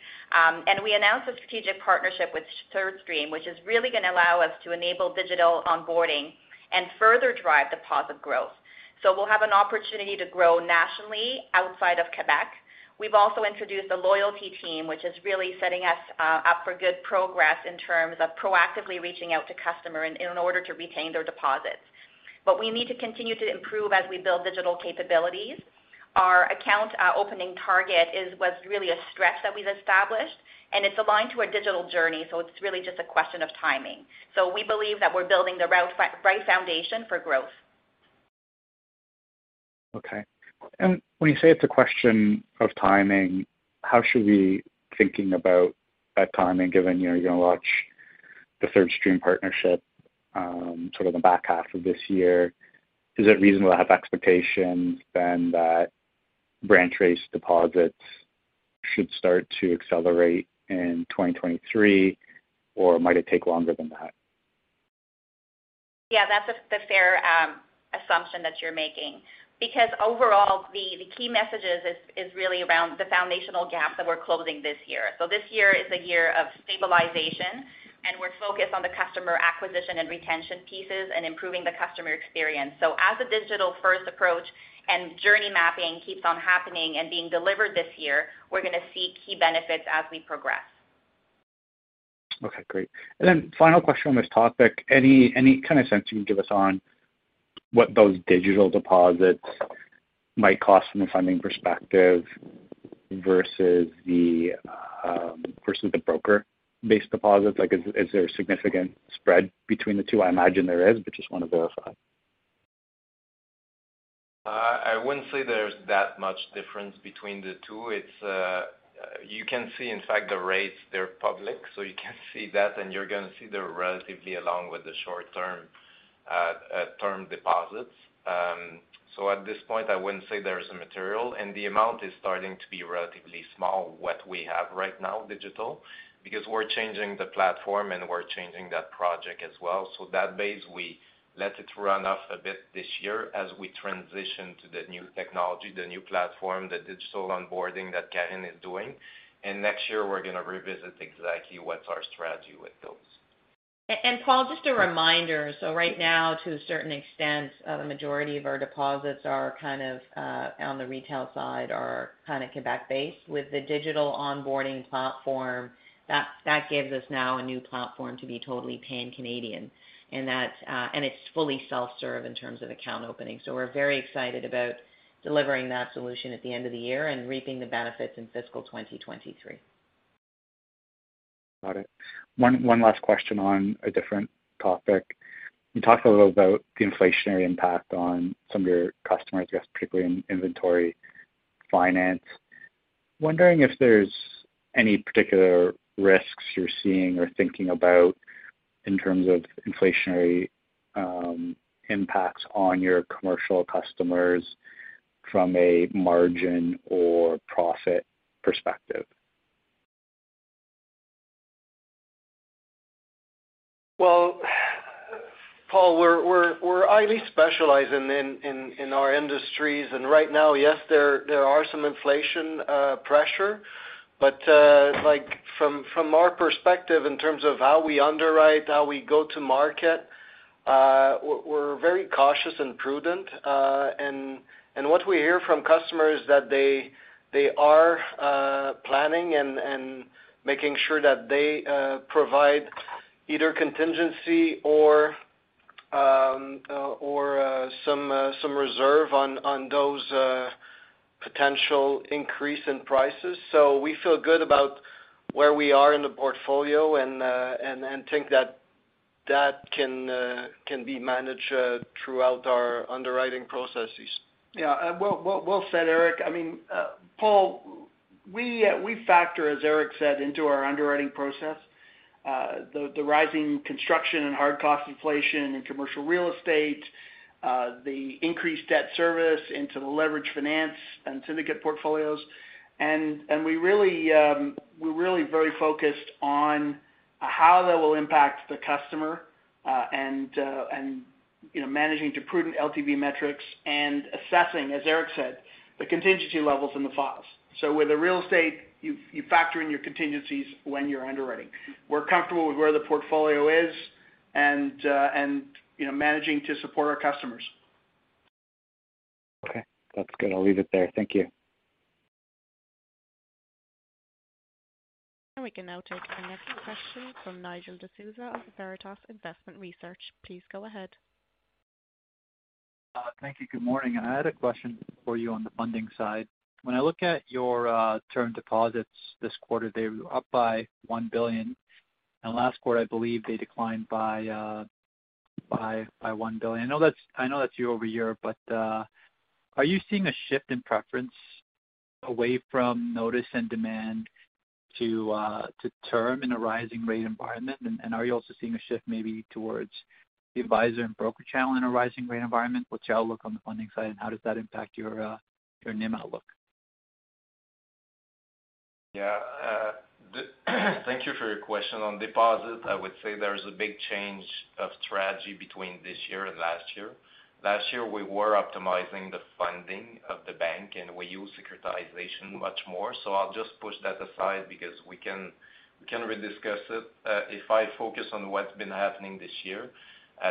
We announced a strategic partnership with thirdstream, which is really gonna allow us to enable digital onboarding and further drive deposit growth. We'll have an opportunity to grow nationally outside of Quebec. We've also introduced a loyalty team, which is really setting us up for good progress in terms of proactively reaching out to customer in order to retain their deposits. We need to continue to improve as we build digital capabilities. Our account opening target is, was really a stretch that we've established, and it's aligned to a digital journey, so it's really just a question of timing. We believe that we're building the right foundation for growth. Okay. When you say it's a question of timing, how should we thinking about that timing, given, you know, you're going to launch the thirdstream partnership sort of in the back half of this year? Is it reasonable to have expectations then that branch-raised deposits should start to accelerate in 2023, or might it take longer than that? Yeah, that's a fair assumption that you're making. Because overall, the key messages is really around the foundational gap that we're closing this year. This year is a year of stabilization, and we're focused on the customer acquisition and retention pieces and improving the customer experience. As a digital-first approach and journey mapping keeps on happening and being delivered this year, we're going to see key benefits as we progress. Okay, great. Final question on this topic. Any kind of sense you can give us on what those digital deposits might cost from a funding perspective versus the broker-based deposits. Like, is there a significant spread between the two? I imagine there is, but just wanna verify. I wouldn't say there's that much difference between the two. You can see, in fact, the rates. They're public, so you can see that, and you're gonna see they're relatively aligned with the short-term term deposits. At this point, I wouldn't say there is a material. The amount is starting to be relatively small, what we have right now digitally, because we're changing the platform, and we're changing that project as well. That base, we let it run up a bit this year as we transition to the new technology, the new platform, the digital onboarding that Karine is doing. Next year, we're gonna revisit exactly what's our strategy with those. Paul, just a reminder. Right now, to a certain extent, the majority of our deposits are kind of, on the retail side are kind of Quebec-based. With the digital onboarding platform, that gives us now a new platform to be totally pan-Canadian, and that, and it's fully self-serve in terms of account opening. We're very excited about delivering that solution at the end of the year and reaping the benefits in fiscal 2023. Got it. One last question on a different topic. You talked a little about the inflationary impact on some of your customers, I guess particularly in inventory finance. Wondering if there's any particular risks you're seeing or thinking about in terms of inflationary impacts on your commercial customers from a margin or profit perspective. Well, Paul, we're highly specialized in our industries. Right now, yes, there are some inflation pressure. Like from our perspective in terms of how we underwrite, how we go to market, we're very cautious and prudent. And what we hear from customers that they are planning and making sure that they provide either contingency or some reserve on those potential increase in prices. We feel good about where we are in the portfolio and think that that can be managed throughout our underwriting processes. Yeah. Well said, Éric. I mean, Paul, we factor, as Éric said, into our underwriting process, the rising construction and hard cost inflation in commercial real estate, the increased debt service into the leverage finance and syndicate portfolios. We're really very focused on how that will impact the customer, and, you know, managing to prudent LTV metrics and assessing, as Éric said, the contingency levels in the files. With the real estate, you factor in your contingencies when you're underwriting. We're comfortable with where the portfolio is and, you know, managing to support our customers. Okay. That's good. I'll leave it there. Thank you. We can now take our next question from Nigel D'Souza of Veritas Investment Research. Please go ahead. Thank you. Good morning. I had a question for you on the funding side. When I look at your term deposits this quarter, they were up by 1 billion. Last quarter, I believe they declined by 1 billion. I know that's year-over-year, but are you seeing a shift in preference away from notice and demand to term in a rising rate environment? Are you also seeing a shift maybe towards the advisor and broker channel in a rising rate environment? What's your outlook on the funding side, and how does that impact your NIM outlook? Thank you for your question on deposits. I would say there's a big change of strategy between this year and last year. Last year, we were optimizing the funding of the bank, and we used securitization much more. I'll just push that aside because we can re-discuss it. If I focus on what's been happening this year,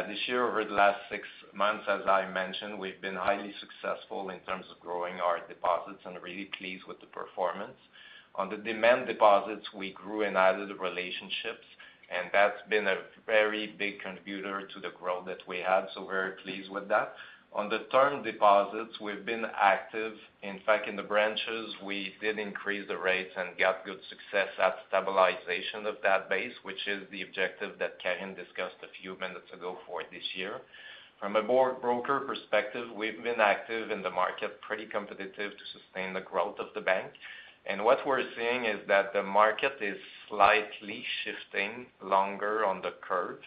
this year over the last six months, as I mentioned, we've been highly successful in terms of growing our deposits and really pleased with the performance. On the demand deposits, we grew and added relationships, and that's been a very big contributor to the growth that we had. We're pleased with that. On the term deposits, we've been active. In fact, in the branches, we did increase the rates and got good success at stabilization of that base, which is the objective that Karine discussed a few minutes ago for this year. From a more broker perspective, we've been active in the market, pretty competitive to sustain the growth of the bank. What we're seeing is that the market is slightly shifting longer on the curve.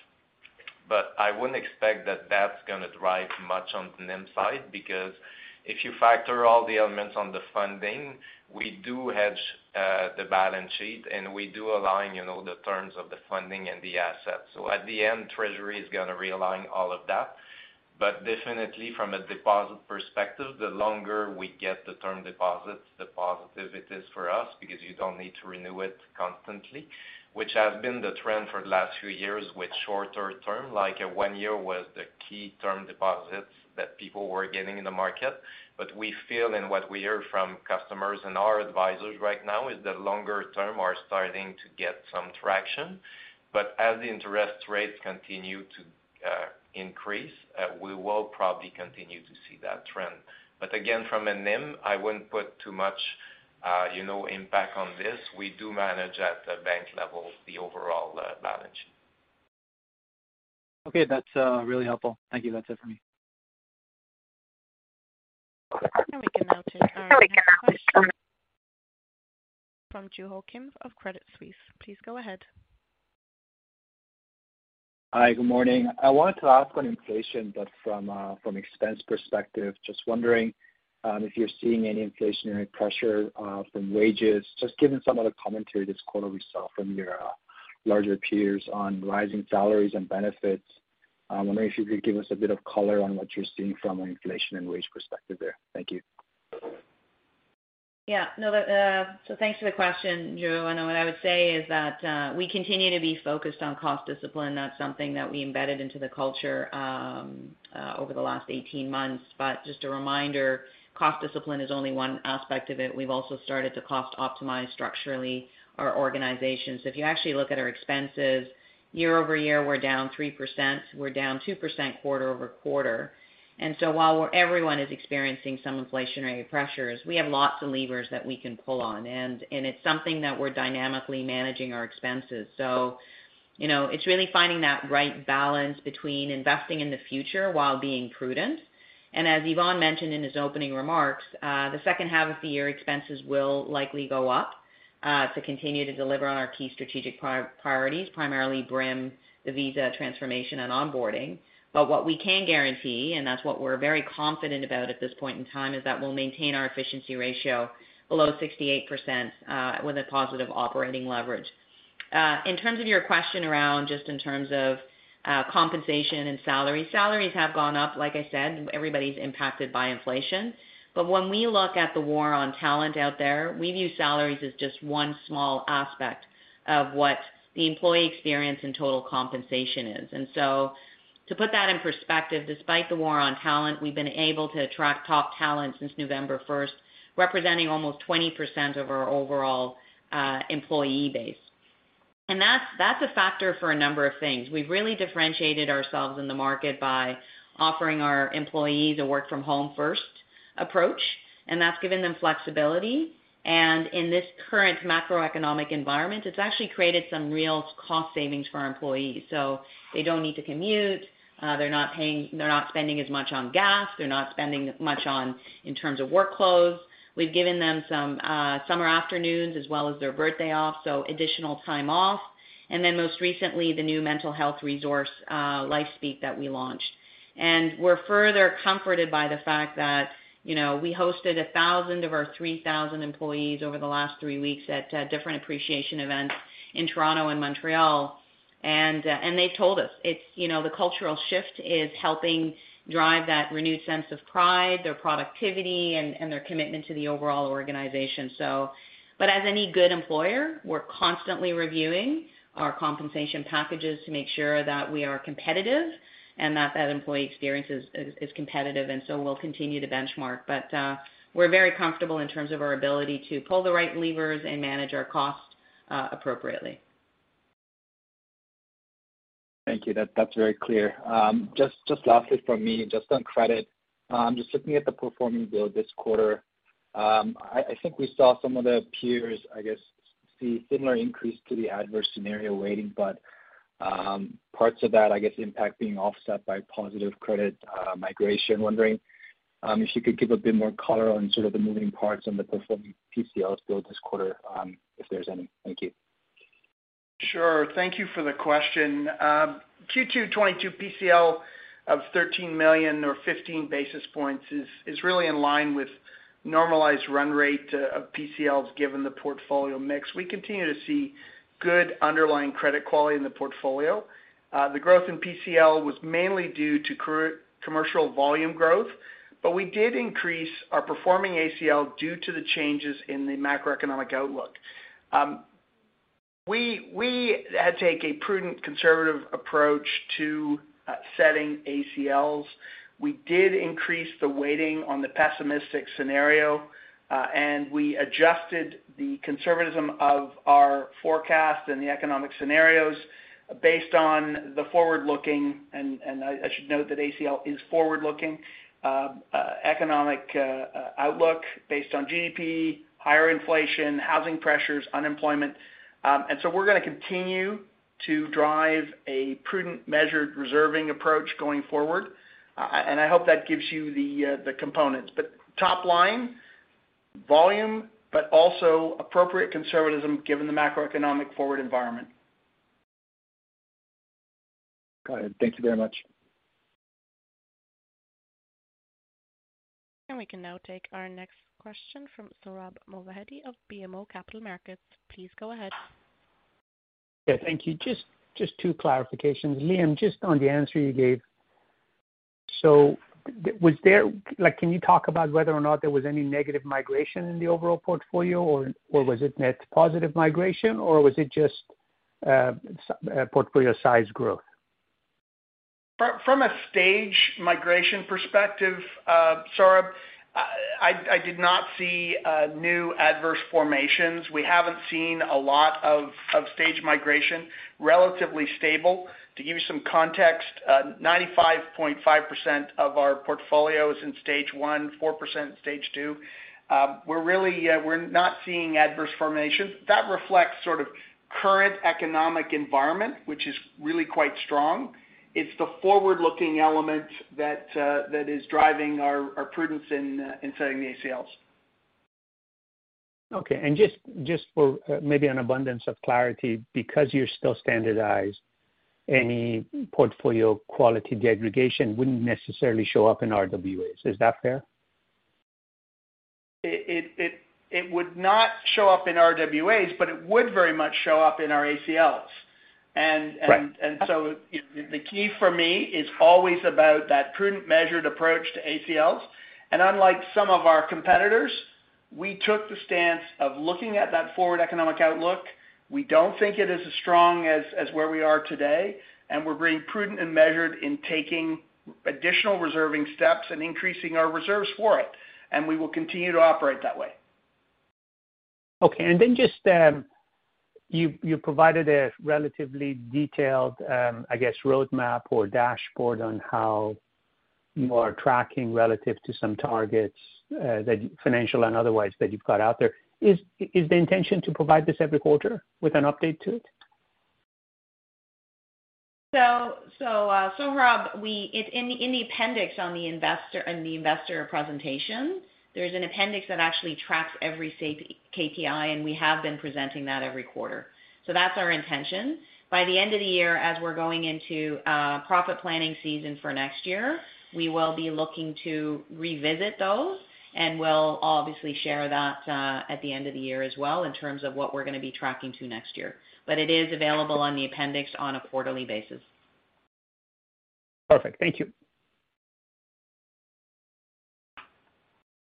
I wouldn't expect that that's gonna drive much on the NIM side because if you factor all the elements on the funding, we do hedge the balance sheet, and we do align, you know, the terms of the funding and the assets. At the end, Treasury is gonna realign all of that. Definitely from a deposit perspective, the longer we get the term deposits, the positive it is for us because you don't need to renew it constantly, which has been the trend for the last few years with shorter term. Like one year was the key term deposits that people were getting in the market. We feel and what we hear from customers and our advisors right now is that longer term are starting to get some traction. As the interest rates continue to increase, we will probably continue to see that trend. Again, from a NIM, I wouldn't put too much. You know, impact on this, we do manage at the bank level the overall balance. Okay. That's really helpful. Thank you. That's it for me. We can now take our next question from Joo Ho Kim of Credit Suisse. Please go ahead. Hi, good morning. I wanted to ask on inflation, but from expense perspective, just wondering, if you're seeing any inflationary pressure, from wages, just given some of the commentary this quarter we saw from your larger peers on rising salaries and benefits. I wonder if you could give us a bit of color on what you're seeing from an inflation and wage perspective there. Thank you. Yeah. No, but thanks for the question, Ju. I know what I would say is that we continue to be focused on cost discipline. That's something that we embedded into the culture over the last 18 months. Just a reminder, cost discipline is only one aspect of it. We've also started to cost optimize structurally our organization. If you actually look at our expenses year-over-year, we're down 3%. We're down 2% quarter-over-quarter. While everyone is experiencing some inflationary pressures, we have lots of levers that we can pull on. It's something that we're dynamically managing our expenses. You know, it's really finding that right balance between investing in the future while being prudent. As Yvan mentioned in his opening remarks, the second half of the year, expenses will likely go up, to continue to deliver on our key strategic priorities, primarily Brim, the Visa transformation, and onboarding. What we can guarantee, and that's what we're very confident about at this point in time, is that we'll maintain our efficiency ratio below 68%, with a positive operating leverage. In terms of your question around just in terms of, compensation and salary, salaries have gone up. Like I said, everybody's impacted by inflation. When we look at the war on talent out there, we view salaries as just one small aspect of what the employee experience and total compensation is. To put that in perspective, despite the war on talent, we've been able to attract top talent since November first, representing almost 20% of our overall employee base. That's a factor for a number of things. We've really differentiated ourselves in the market by offering our employees a work from home first approach, and that's given them flexibility. In this current macroeconomic environment, it's actually created some real cost savings for our employees. They don't need to commute, they're not spending as much on gas. They're not spending much on in terms of work clothes. We've given them some summer afternoons as well as their birthday off, additional time off. Most recently, the new mental health resource, LifeSpeak, that we launched. We're further comforted by the fact that, you know, we hosted 1,000 of our 3,000 employees over the last 3 weeks at different appreciation events in Toronto and Montreal. They told us, you know, the cultural shift is helping drive that renewed sense of pride, their productivity, and their commitment to the overall organization. As any good employer, we're constantly reviewing our compensation packages to make sure that we are competitive and that employee experience is competitive, and so we'll continue to benchmark. We're very comfortable in terms of our ability to pull the right levers and manage our cost appropriately. Thank you. That's very clear. Just lastly from me, just on credit. Just looking at the performing PCL build this quarter, I think we saw some of the peers, I guess, see similar increase to the adverse scenario weighting, but parts of that, I guess, impact being offset by positive credit migration. Wondering if you could give a bit more color on sort of the moving parts on the performing PCLs build this quarter, if there's any. Thank you. Sure. Thank you for the question. Q2 2022 PCL of 13 million or 15 basis points is really in line with normalized run rate of PCLs given the portfolio mix. We continue to see good underlying credit quality in the portfolio. The growth in PCL was mainly due to commercial volume growth, but we did increase our performing ACL due to the changes in the macroeconomic outlook. We had taken a prudent conservative approach to setting ACLs. We did increase the weighting on the pessimistic scenario, and we adjusted the conservatism of our forecast and the economic scenarios based on the forward-looking, and I should note that ACL is forward-looking economic outlook based on GDP, higher inflation, housing pressures, unemployment. We're gonna continue to drive a prudent, measured reserving approach going forward. I hope that gives you the components. Top line, volume, but also appropriate conservatism given the macroeconomic forward environment. Got it. Thank you very much. We can now take our next question from Sohrab Movahedi of BMO Capital Markets. Please go ahead. Yeah, thank you. Just two clarifications. Liam, just on the answer you gave. Like, can you talk about whether or not there was any negative migration in the overall portfolio, or was it net positive migration, or was it just portfolio size growth? From a stage migration perspective, Sohrab, I did not see new adverse formations. We haven't seen a lot of stage migration, relatively stable. To give you some context, 95.5% of our portfolio is in stage one, 4% stage two. We're really not seeing adverse formations. That reflects sort of Current economic environment, which is really quite strong. It's the forward-looking element that is driving our prudence in setting the ACLs. Okay. Just for maybe an abundance of clarity, because you're still standardized, any portfolio quality degradation wouldn't necessarily show up in RWAs. Is that fair? It would not show up in RWAs, but it would very much show up in our ACLs. Right. The key for me is always about that prudent measured approach to ACLs. Unlike some of our competitors, we took the stance of looking at that forward economic outlook. We don't think it is as strong as where we are today, and we're being prudent and measured in taking additional reserving steps and increasing our reserves for it. We will continue to operate that way. Okay. Just you provided a relatively detailed, I guess, roadmap or dashboard on how you are tracking relative to some targets, that financial and otherwise, that you've got out there. Is the intention to provide this every quarter with an update to it? Sohrab Movahedi, we in the appendix on the investor presentation, there's an appendix that actually tracks every KPI, and we have been presenting that every quarter. That's our intention. By the end of the year, as we're going into profit planning season for next year, we will be looking to revisit those, and we'll obviously share that at the end of the year as well in terms of what we're gonna be tracking to next year. It is available on the appendix on a quarterly basis. Perfect. Thank you.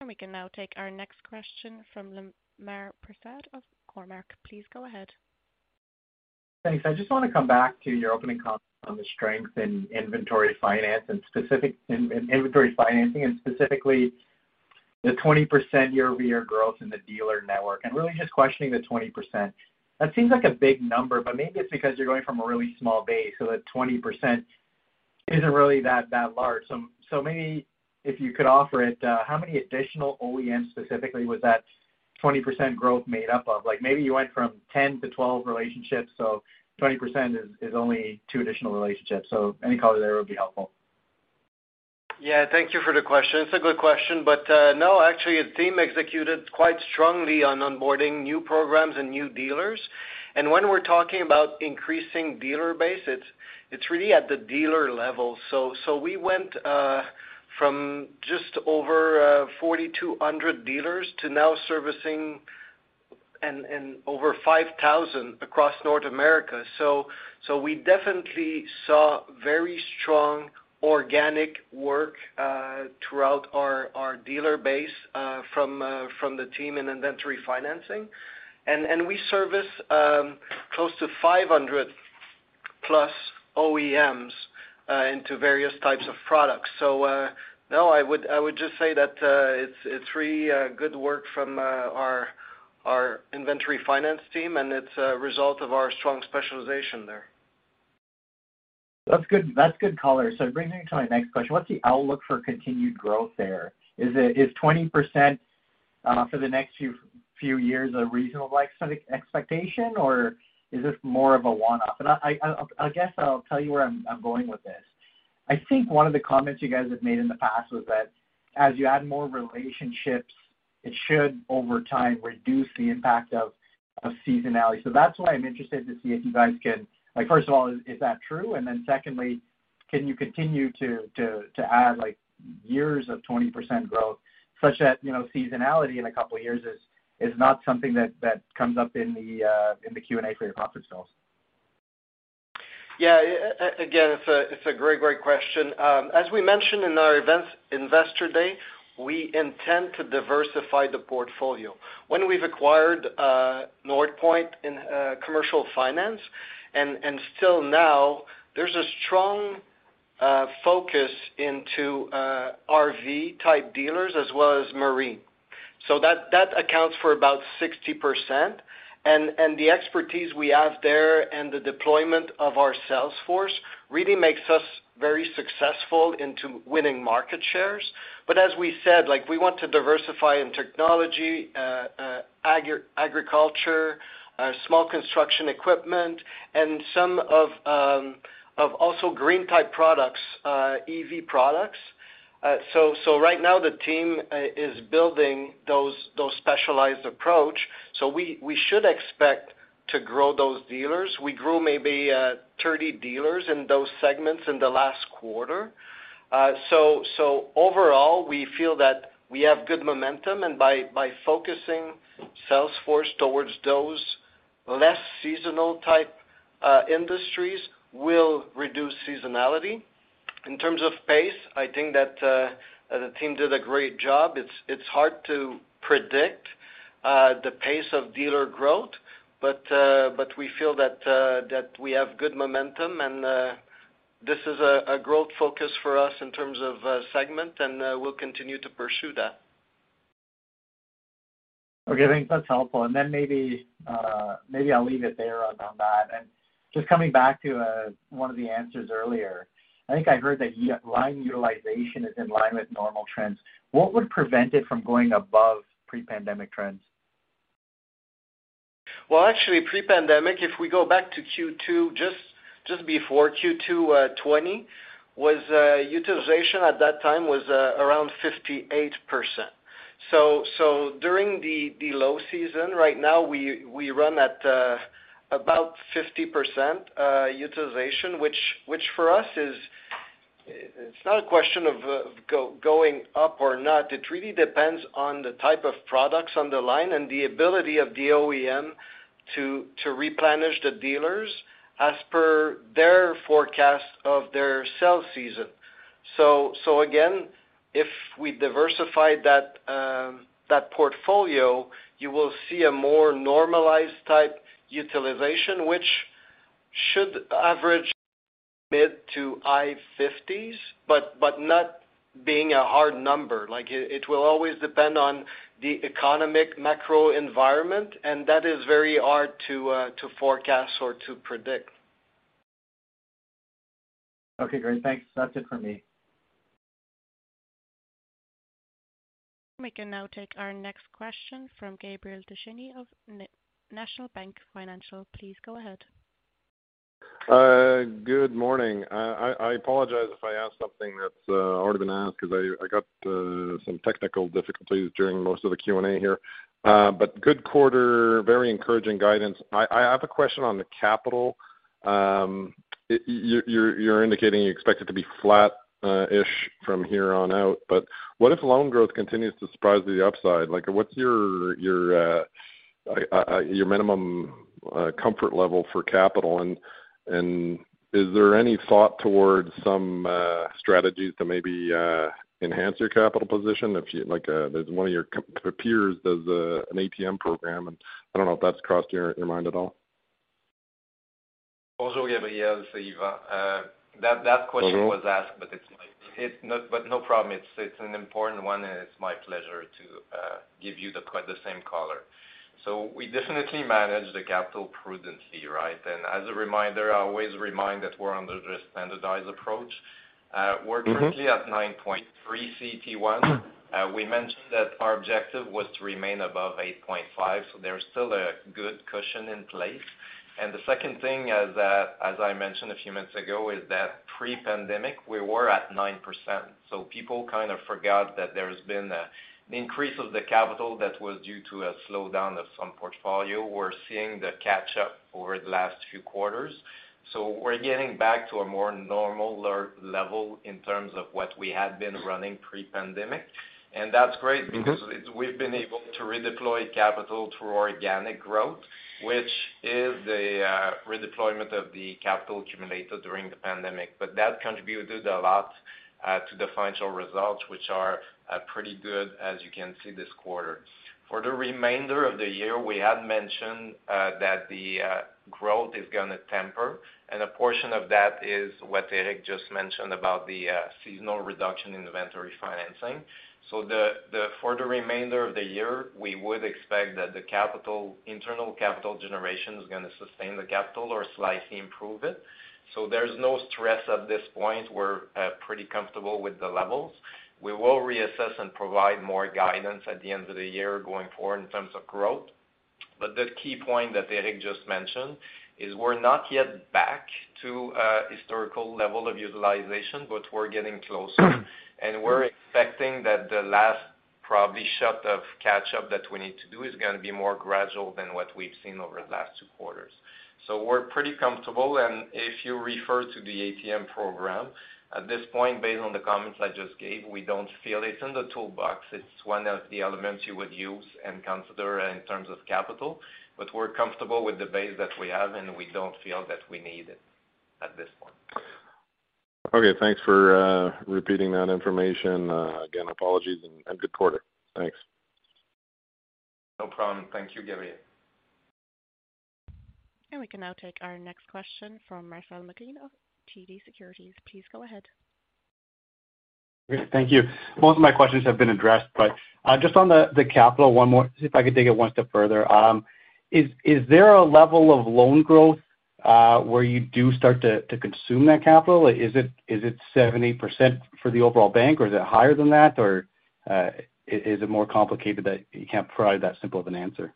We can now take our next question from Lemar Persaud of Cormark Securities. Please go ahead. Thanks. I just wanna come back to your opening comment on the strength in inventory finance and specifically in inventory financing, and specifically the 20% year-over-year growth in the dealer network, and really just questioning the 20%. That seems like a big number, but maybe it's because you're going from a really small base, so that 20% isn't really that large. Maybe if you could offer, how many additional OEMs specifically was that 20% growth made up of? Like, maybe you went from 10 to 12 relationships, so 20% is only 2 additional relationships. Any color there would be helpful. Yeah. Thank you for the question. It's a good question. No, actually, the team executed quite strongly on onboarding new programs and new dealers. When we're talking about increasing dealer base, it's really at the dealer level. We went from just over 4,200 dealers to now servicing over 5,000 across North America. We definitely saw very strong organic work throughout our dealer base from the team in inventory financing. We service close to 500 plus OEMs into various types of products. No, I would just say that it's really good work from our inventory finance team, and it's a result of our strong specialization there. That's good. That's good color. It brings me to my next question. What's the outlook for continued growth there? Is it 20%, for the next few years a reasonable expectation, or is this more of a one-off? I guess I'll tell you where I'm going with this. I think one of the comments you guys have made in the past was that as you add more relationships, it should over time reduce the impact of seasonality. That's why I'm interested to see if you guys can. Like, first of all, is that true? And then secondly, can you continue to add, like, years of 20% growth such that, you know, seasonality in a couple of years is not something that comes up in the Q&A for your profits' sake? Yeah. Again, it's a great question. As we mentioned in our events investor day, we intend to diversify the portfolio. When we've acquired Northpoint in commercial finance, and still now there's a strong focus into RV-type dealers as well as marine. That accounts for about 60%. And the expertise we have there and the deployment of our sales force really makes us very successful into winning market shares. But as we said, like, we want to diversify in technology, agriculture, small construction equipment and some also green-type products, EV products. So right now the team is building those specialized approach. We should expect to grow those dealers. We grew maybe 30 dealers in those segments in the last quarter. Overall, we feel that we have good momentum, and by focusing Salesforce towards those less seasonal type industries will reduce seasonality. In terms of pace, I think that the team did a great job. It's hard to predict the pace of dealer growth, but we feel that we have good momentum and this is a growth focus for us in terms of segment, and we'll continue to pursue that. Okay. I think that's helpful. Just coming back to one of the answers earlier. I think I heard that line utilization is in line with normal trends. What would prevent it from going above pre-pandemic trends? Well, actually pre-pandemic, if we go back to Q2 2020 just before Q2 2020, utilization at that time was around 58%. So during the low season, right now we run at about 50% utilization, which for us is. It's not a question of going up or not. It really depends on the type of products on the line and the ability of the OEM to replenish the dealers as per their forecast of their sell season. So again, if we diversify that portfolio, you will see a more normalized type utilization, which should average mid- to high 50s%, but not being a hard number. Like, it will always depend on the macroeconomic environment, and that is very hard to forecast or to predict. Okay, great. Thanks. That's it for me. We can now take our next question from Gabriel Dechaine of National Bank Financial. Please go ahead. Good morning. I apologize if I ask something that's already been asked because I got some technical difficulties during most of the Q&A here. Good quarter, very encouraging guidance. I have a question on the capital. You're indicating you expect it to be flat ish from here on out. What if loan growth continues to surprise to the upside? Like, what's your minimum comfort level for capital? Is there any thought towards some strategies to maybe enhance your capital position if you'd like? There's one of your competitors does an ATM program, and I don't know if that's crossed your mind at all. Bonjour, Gabriel. C'est Yvan. That question was asked, but it's fine. It's but no problem. It's an important one, and it's my pleasure to give you the same color. We definitely manage the capital prudently, right? As a reminder, I always remind that we're under the standardized approach. We're currently at 9.3 CET1. We mentioned that our objective was to remain above 8.5, so there's still a good cushion in place. The second thing is that, as I mentioned a few minutes ago, is that pre-pandemic, we were at 9%. People kind of forgot that there's been an increase of the capital that was due to a slowdown of some portfolio. We're seeing the catch up over the last few quarters. We're getting back to a more normal level in terms of what we had been running pre-pandemic. That's great because it's we've been able to redeploy capital through organic growth, which is the redeployment of the capital accumulated during the pandemic. That contributed a lot to the financial results, which are pretty good as you can see this quarter. For the remainder of the year, we had mentioned that the growth is gonna temper, and a portion of that is what Éric just mentioned about the seasonal reduction in inventory financing. The for the remainder of the year, we would expect that the capital, internal capital generation is gonna sustain the capital or slightly improve it. There's no stress at this point. We're pretty comfortable with the levels. We will reassess and provide more guidance at the end of the year going forward in terms of growth. The key point that Éric just mentioned is we're not yet back to a historical level of utilization, but we're getting closer. We're expecting that the last probably shot of catch-up that we need to do is gonna be more gradual than what we've seen over the last two quarters. We're pretty comfortable. If you refer to the ATM program, at this point, based on the comments I just gave, we don't feel it's in the toolbox. It's one of the elements you would use and consider in terms of capital. We're comfortable with the base that we have, and we don't feel that we need it at this point. Okay, thanks for repeating that information. Again, apologies and good quarter. Thanks. No problem. Thank you, Gabriel. We can now take our next question from Douglas McPhee of TD Securities. Please go ahead. Great. Thank you. Most of my questions have been addressed, but just on the capital, one more, if I could take it one step further. Is there a level of loan growth where you do start to consume that capital? Is it 70 for the overall bank, or is it higher than that? Or is it more complicated than that you can't provide that simple of an answer?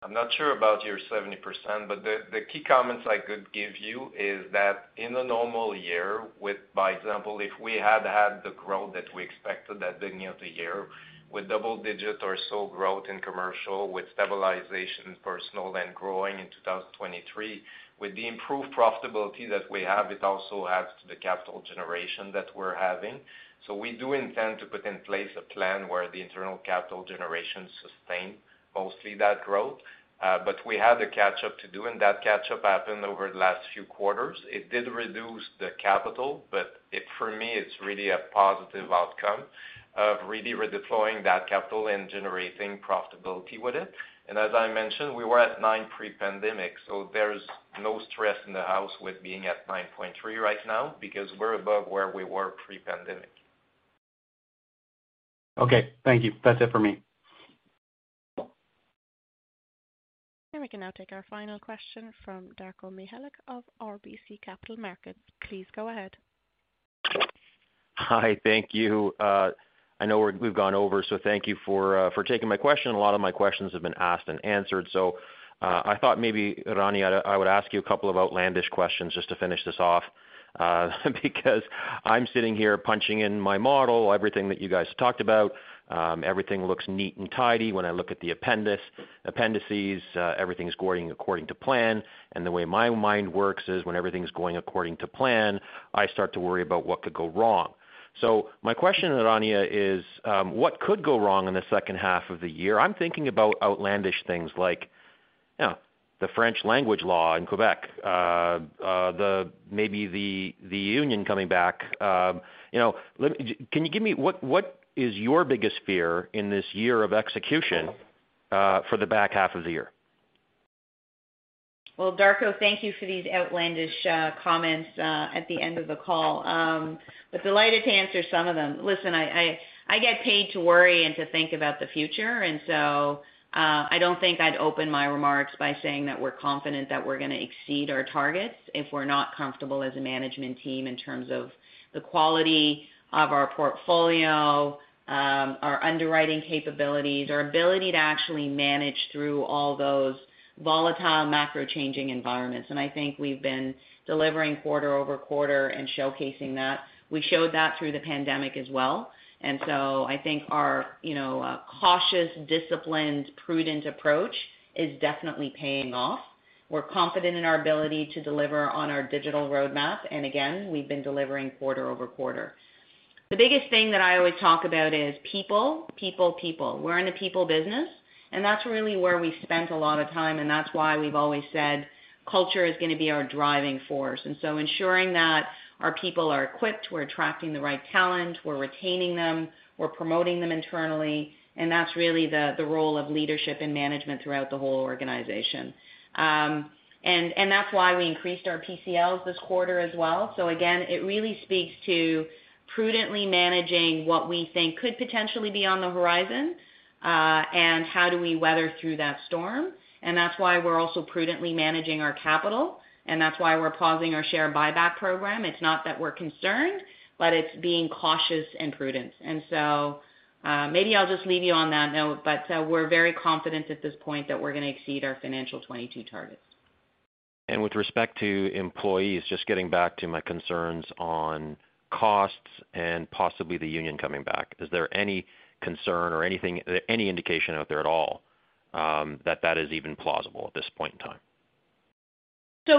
I'm not sure about your 70%, but the key comments I could give you is that in a normal year with, for example, if we had the growth that we expected at the beginning of the year, with double digit or so growth in commercial, with stabilization personal and growing in 2023, with the improved profitability that we have, it also adds to the capital generation that we're having. We do intend to put in place a plan where the internal capital generation sustain mostly that growth. But we had a catch up to do, and that catch up happened over the last few quarters. It did reduce the capital, but for me, it's really a positive outcome of really redeploying that capital and generating profitability with it. As I mentioned, we were at 9% pre-pandemic, so there's no stress in the house with being at 9.3% right now because we're above where we were pre-pandemic. Okay. Thank you. That's it for me. We can now take our final question from Darko Mihelic of RBC Capital Markets. Please go ahead. Hi. Thank you. I know we've gone over, so thank you for taking my question. A lot of my questions have been asked and answered, so I thought maybe, Rania, I would ask you a couple of outlandish questions just to finish this off, because I'm sitting here punching in my model, everything that you guys talked about, everything looks neat and tidy. When I look at the appendices, everything is going according to plan. The way my mind works is when everything's going according to plan, I start to worry about what could go wrong. My question, Rania, is, what could go wrong in the second half of the year? I'm thinking about outlandish things like, you know, the French language law in Quebec, maybe the union coming back, you know. Can you give me what is your biggest fear in this year of execution for the back half of the year? Well, Darko, thank you for these outlandish comments at the end of the call. Delighted to answer some of them. Listen, I get paid to worry and to think about the future, and so I don't think I'd open my remarks by saying that we're confident that we're gonna exceed our targets if we're not comfortable as a management team in terms of the quality of our portfolio, our underwriting capabilities, our ability to actually manage through all those volatile macro changing environments. I think we've been delivering quarter-over-quarter and showcasing that. We showed that through the pandemic as well. I think our, you know, cautious, disciplined, prudent approach is definitely paying off. We're confident in our ability to deliver on our digital roadmap. Again, we've been delivering quarter-over-quarter. The biggest thing that I always talk about is people, people. We're in the people business, and that's really where we spent a lot of time, and that's why we've always said culture is gonna be our driving force. Ensuring that our people are equipped, we're attracting the right talent, we're retaining them, we're promoting them internally, and that's really the role of leadership and management throughout the whole organization. That's why we increased our PCLs this quarter as well. Again, it really speaks to prudently managing what we think could potentially be on the horizon, and how do we weather through that storm, and that's why we're also prudently managing our capital, and that's why we're pausing our share buyback program. It's not that we're concerned, but it's being cautious and prudent. Maybe I'll just leave you on that note, but we're very confident at this point that we're gonna exceed our financial 2022 targets. With respect to employees, just getting back to my concerns on costs and possibly the union coming back, is there any concern or anything, any indication out there at all, that is even plausible at this point in time?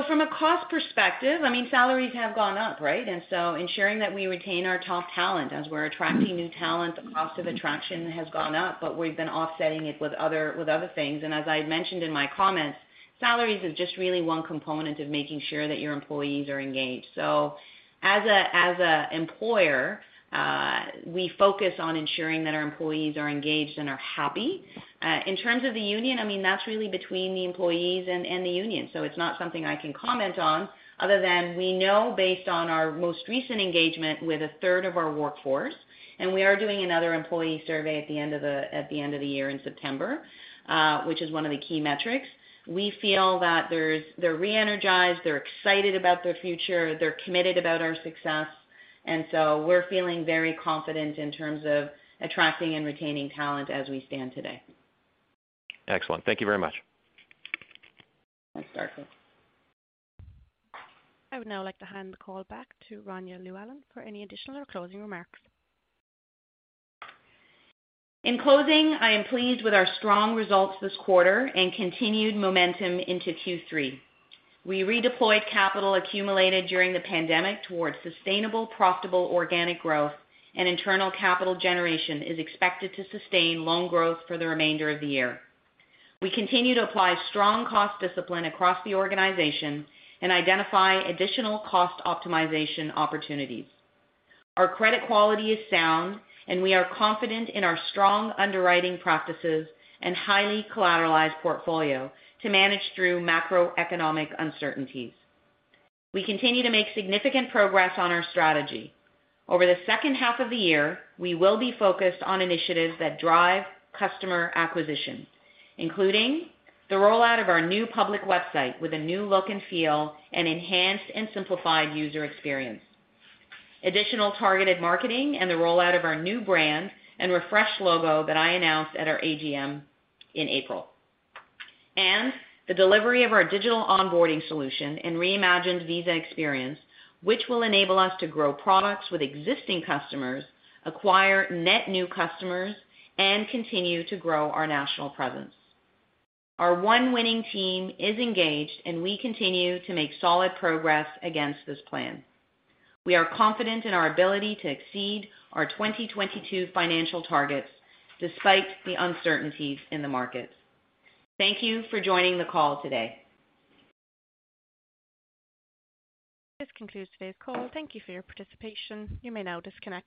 From a cost perspective, I mean, salaries have gone up, right? Ensuring that we retain our top talent as we're attracting new talent, the cost of attraction has gone up, but we've been offsetting it with other things. As I mentioned in my comments, salaries is just really one component of making sure that your employees are engaged. As an employer, we focus on ensuring that our employees are engaged and are happy. In terms of the union, I mean, that's really between the employees and the union, so it's not something I can comment on other than we know based on our most recent engagement with a third of our workforce, and we are doing another employee survey at the end of the year in September, which is one of the key metrics. We feel that there's they're re-energized, they're excited about their future, they're committed about our success, and so we're feeling very confident in terms of attracting and retaining talent as we stand today. Excellent. Thank you very much. Thanks, Darko. I would now like to hand the call back to Rania Llewellyn for any additional or closing remarks. In closing, I am pleased with our strong results this quarter and continued momentum into Q3. We redeployed capital accumulated during the pandemic towards sustainable, profitable organic growth, and internal capital generation is expected to sustain loan growth for the remainder of the year. We continue to apply strong cost discipline across the organization and identify additional cost optimization opportunities. Our credit quality is sound, and we are confident in our strong underwriting practices and highly collateralized portfolio to manage through macroeconomic uncertainties. We continue to make significant progress on our strategy. Over the second half of the year, we will be focused on initiatives that drive customer acquisition, including the rollout of our new public website with a new look and feel, an enhanced and simplified user experience. Additional targeted marketing and the rollout of our new brand and refreshed logo that I announced at our AGM in April. The delivery of our digital onboarding solution and reimagined Visa experience, which will enable us to grow products with existing customers, acquire net new customers, and continue to grow our national presence. Our one winning team is engaged, and we continue to make solid progress against this plan. We are confident in our ability to exceed our 2022 financial targets despite the uncertainties in the markets. Thank you for joining the call today. This concludes today's call. Thank you for your participation. You may now disconnect.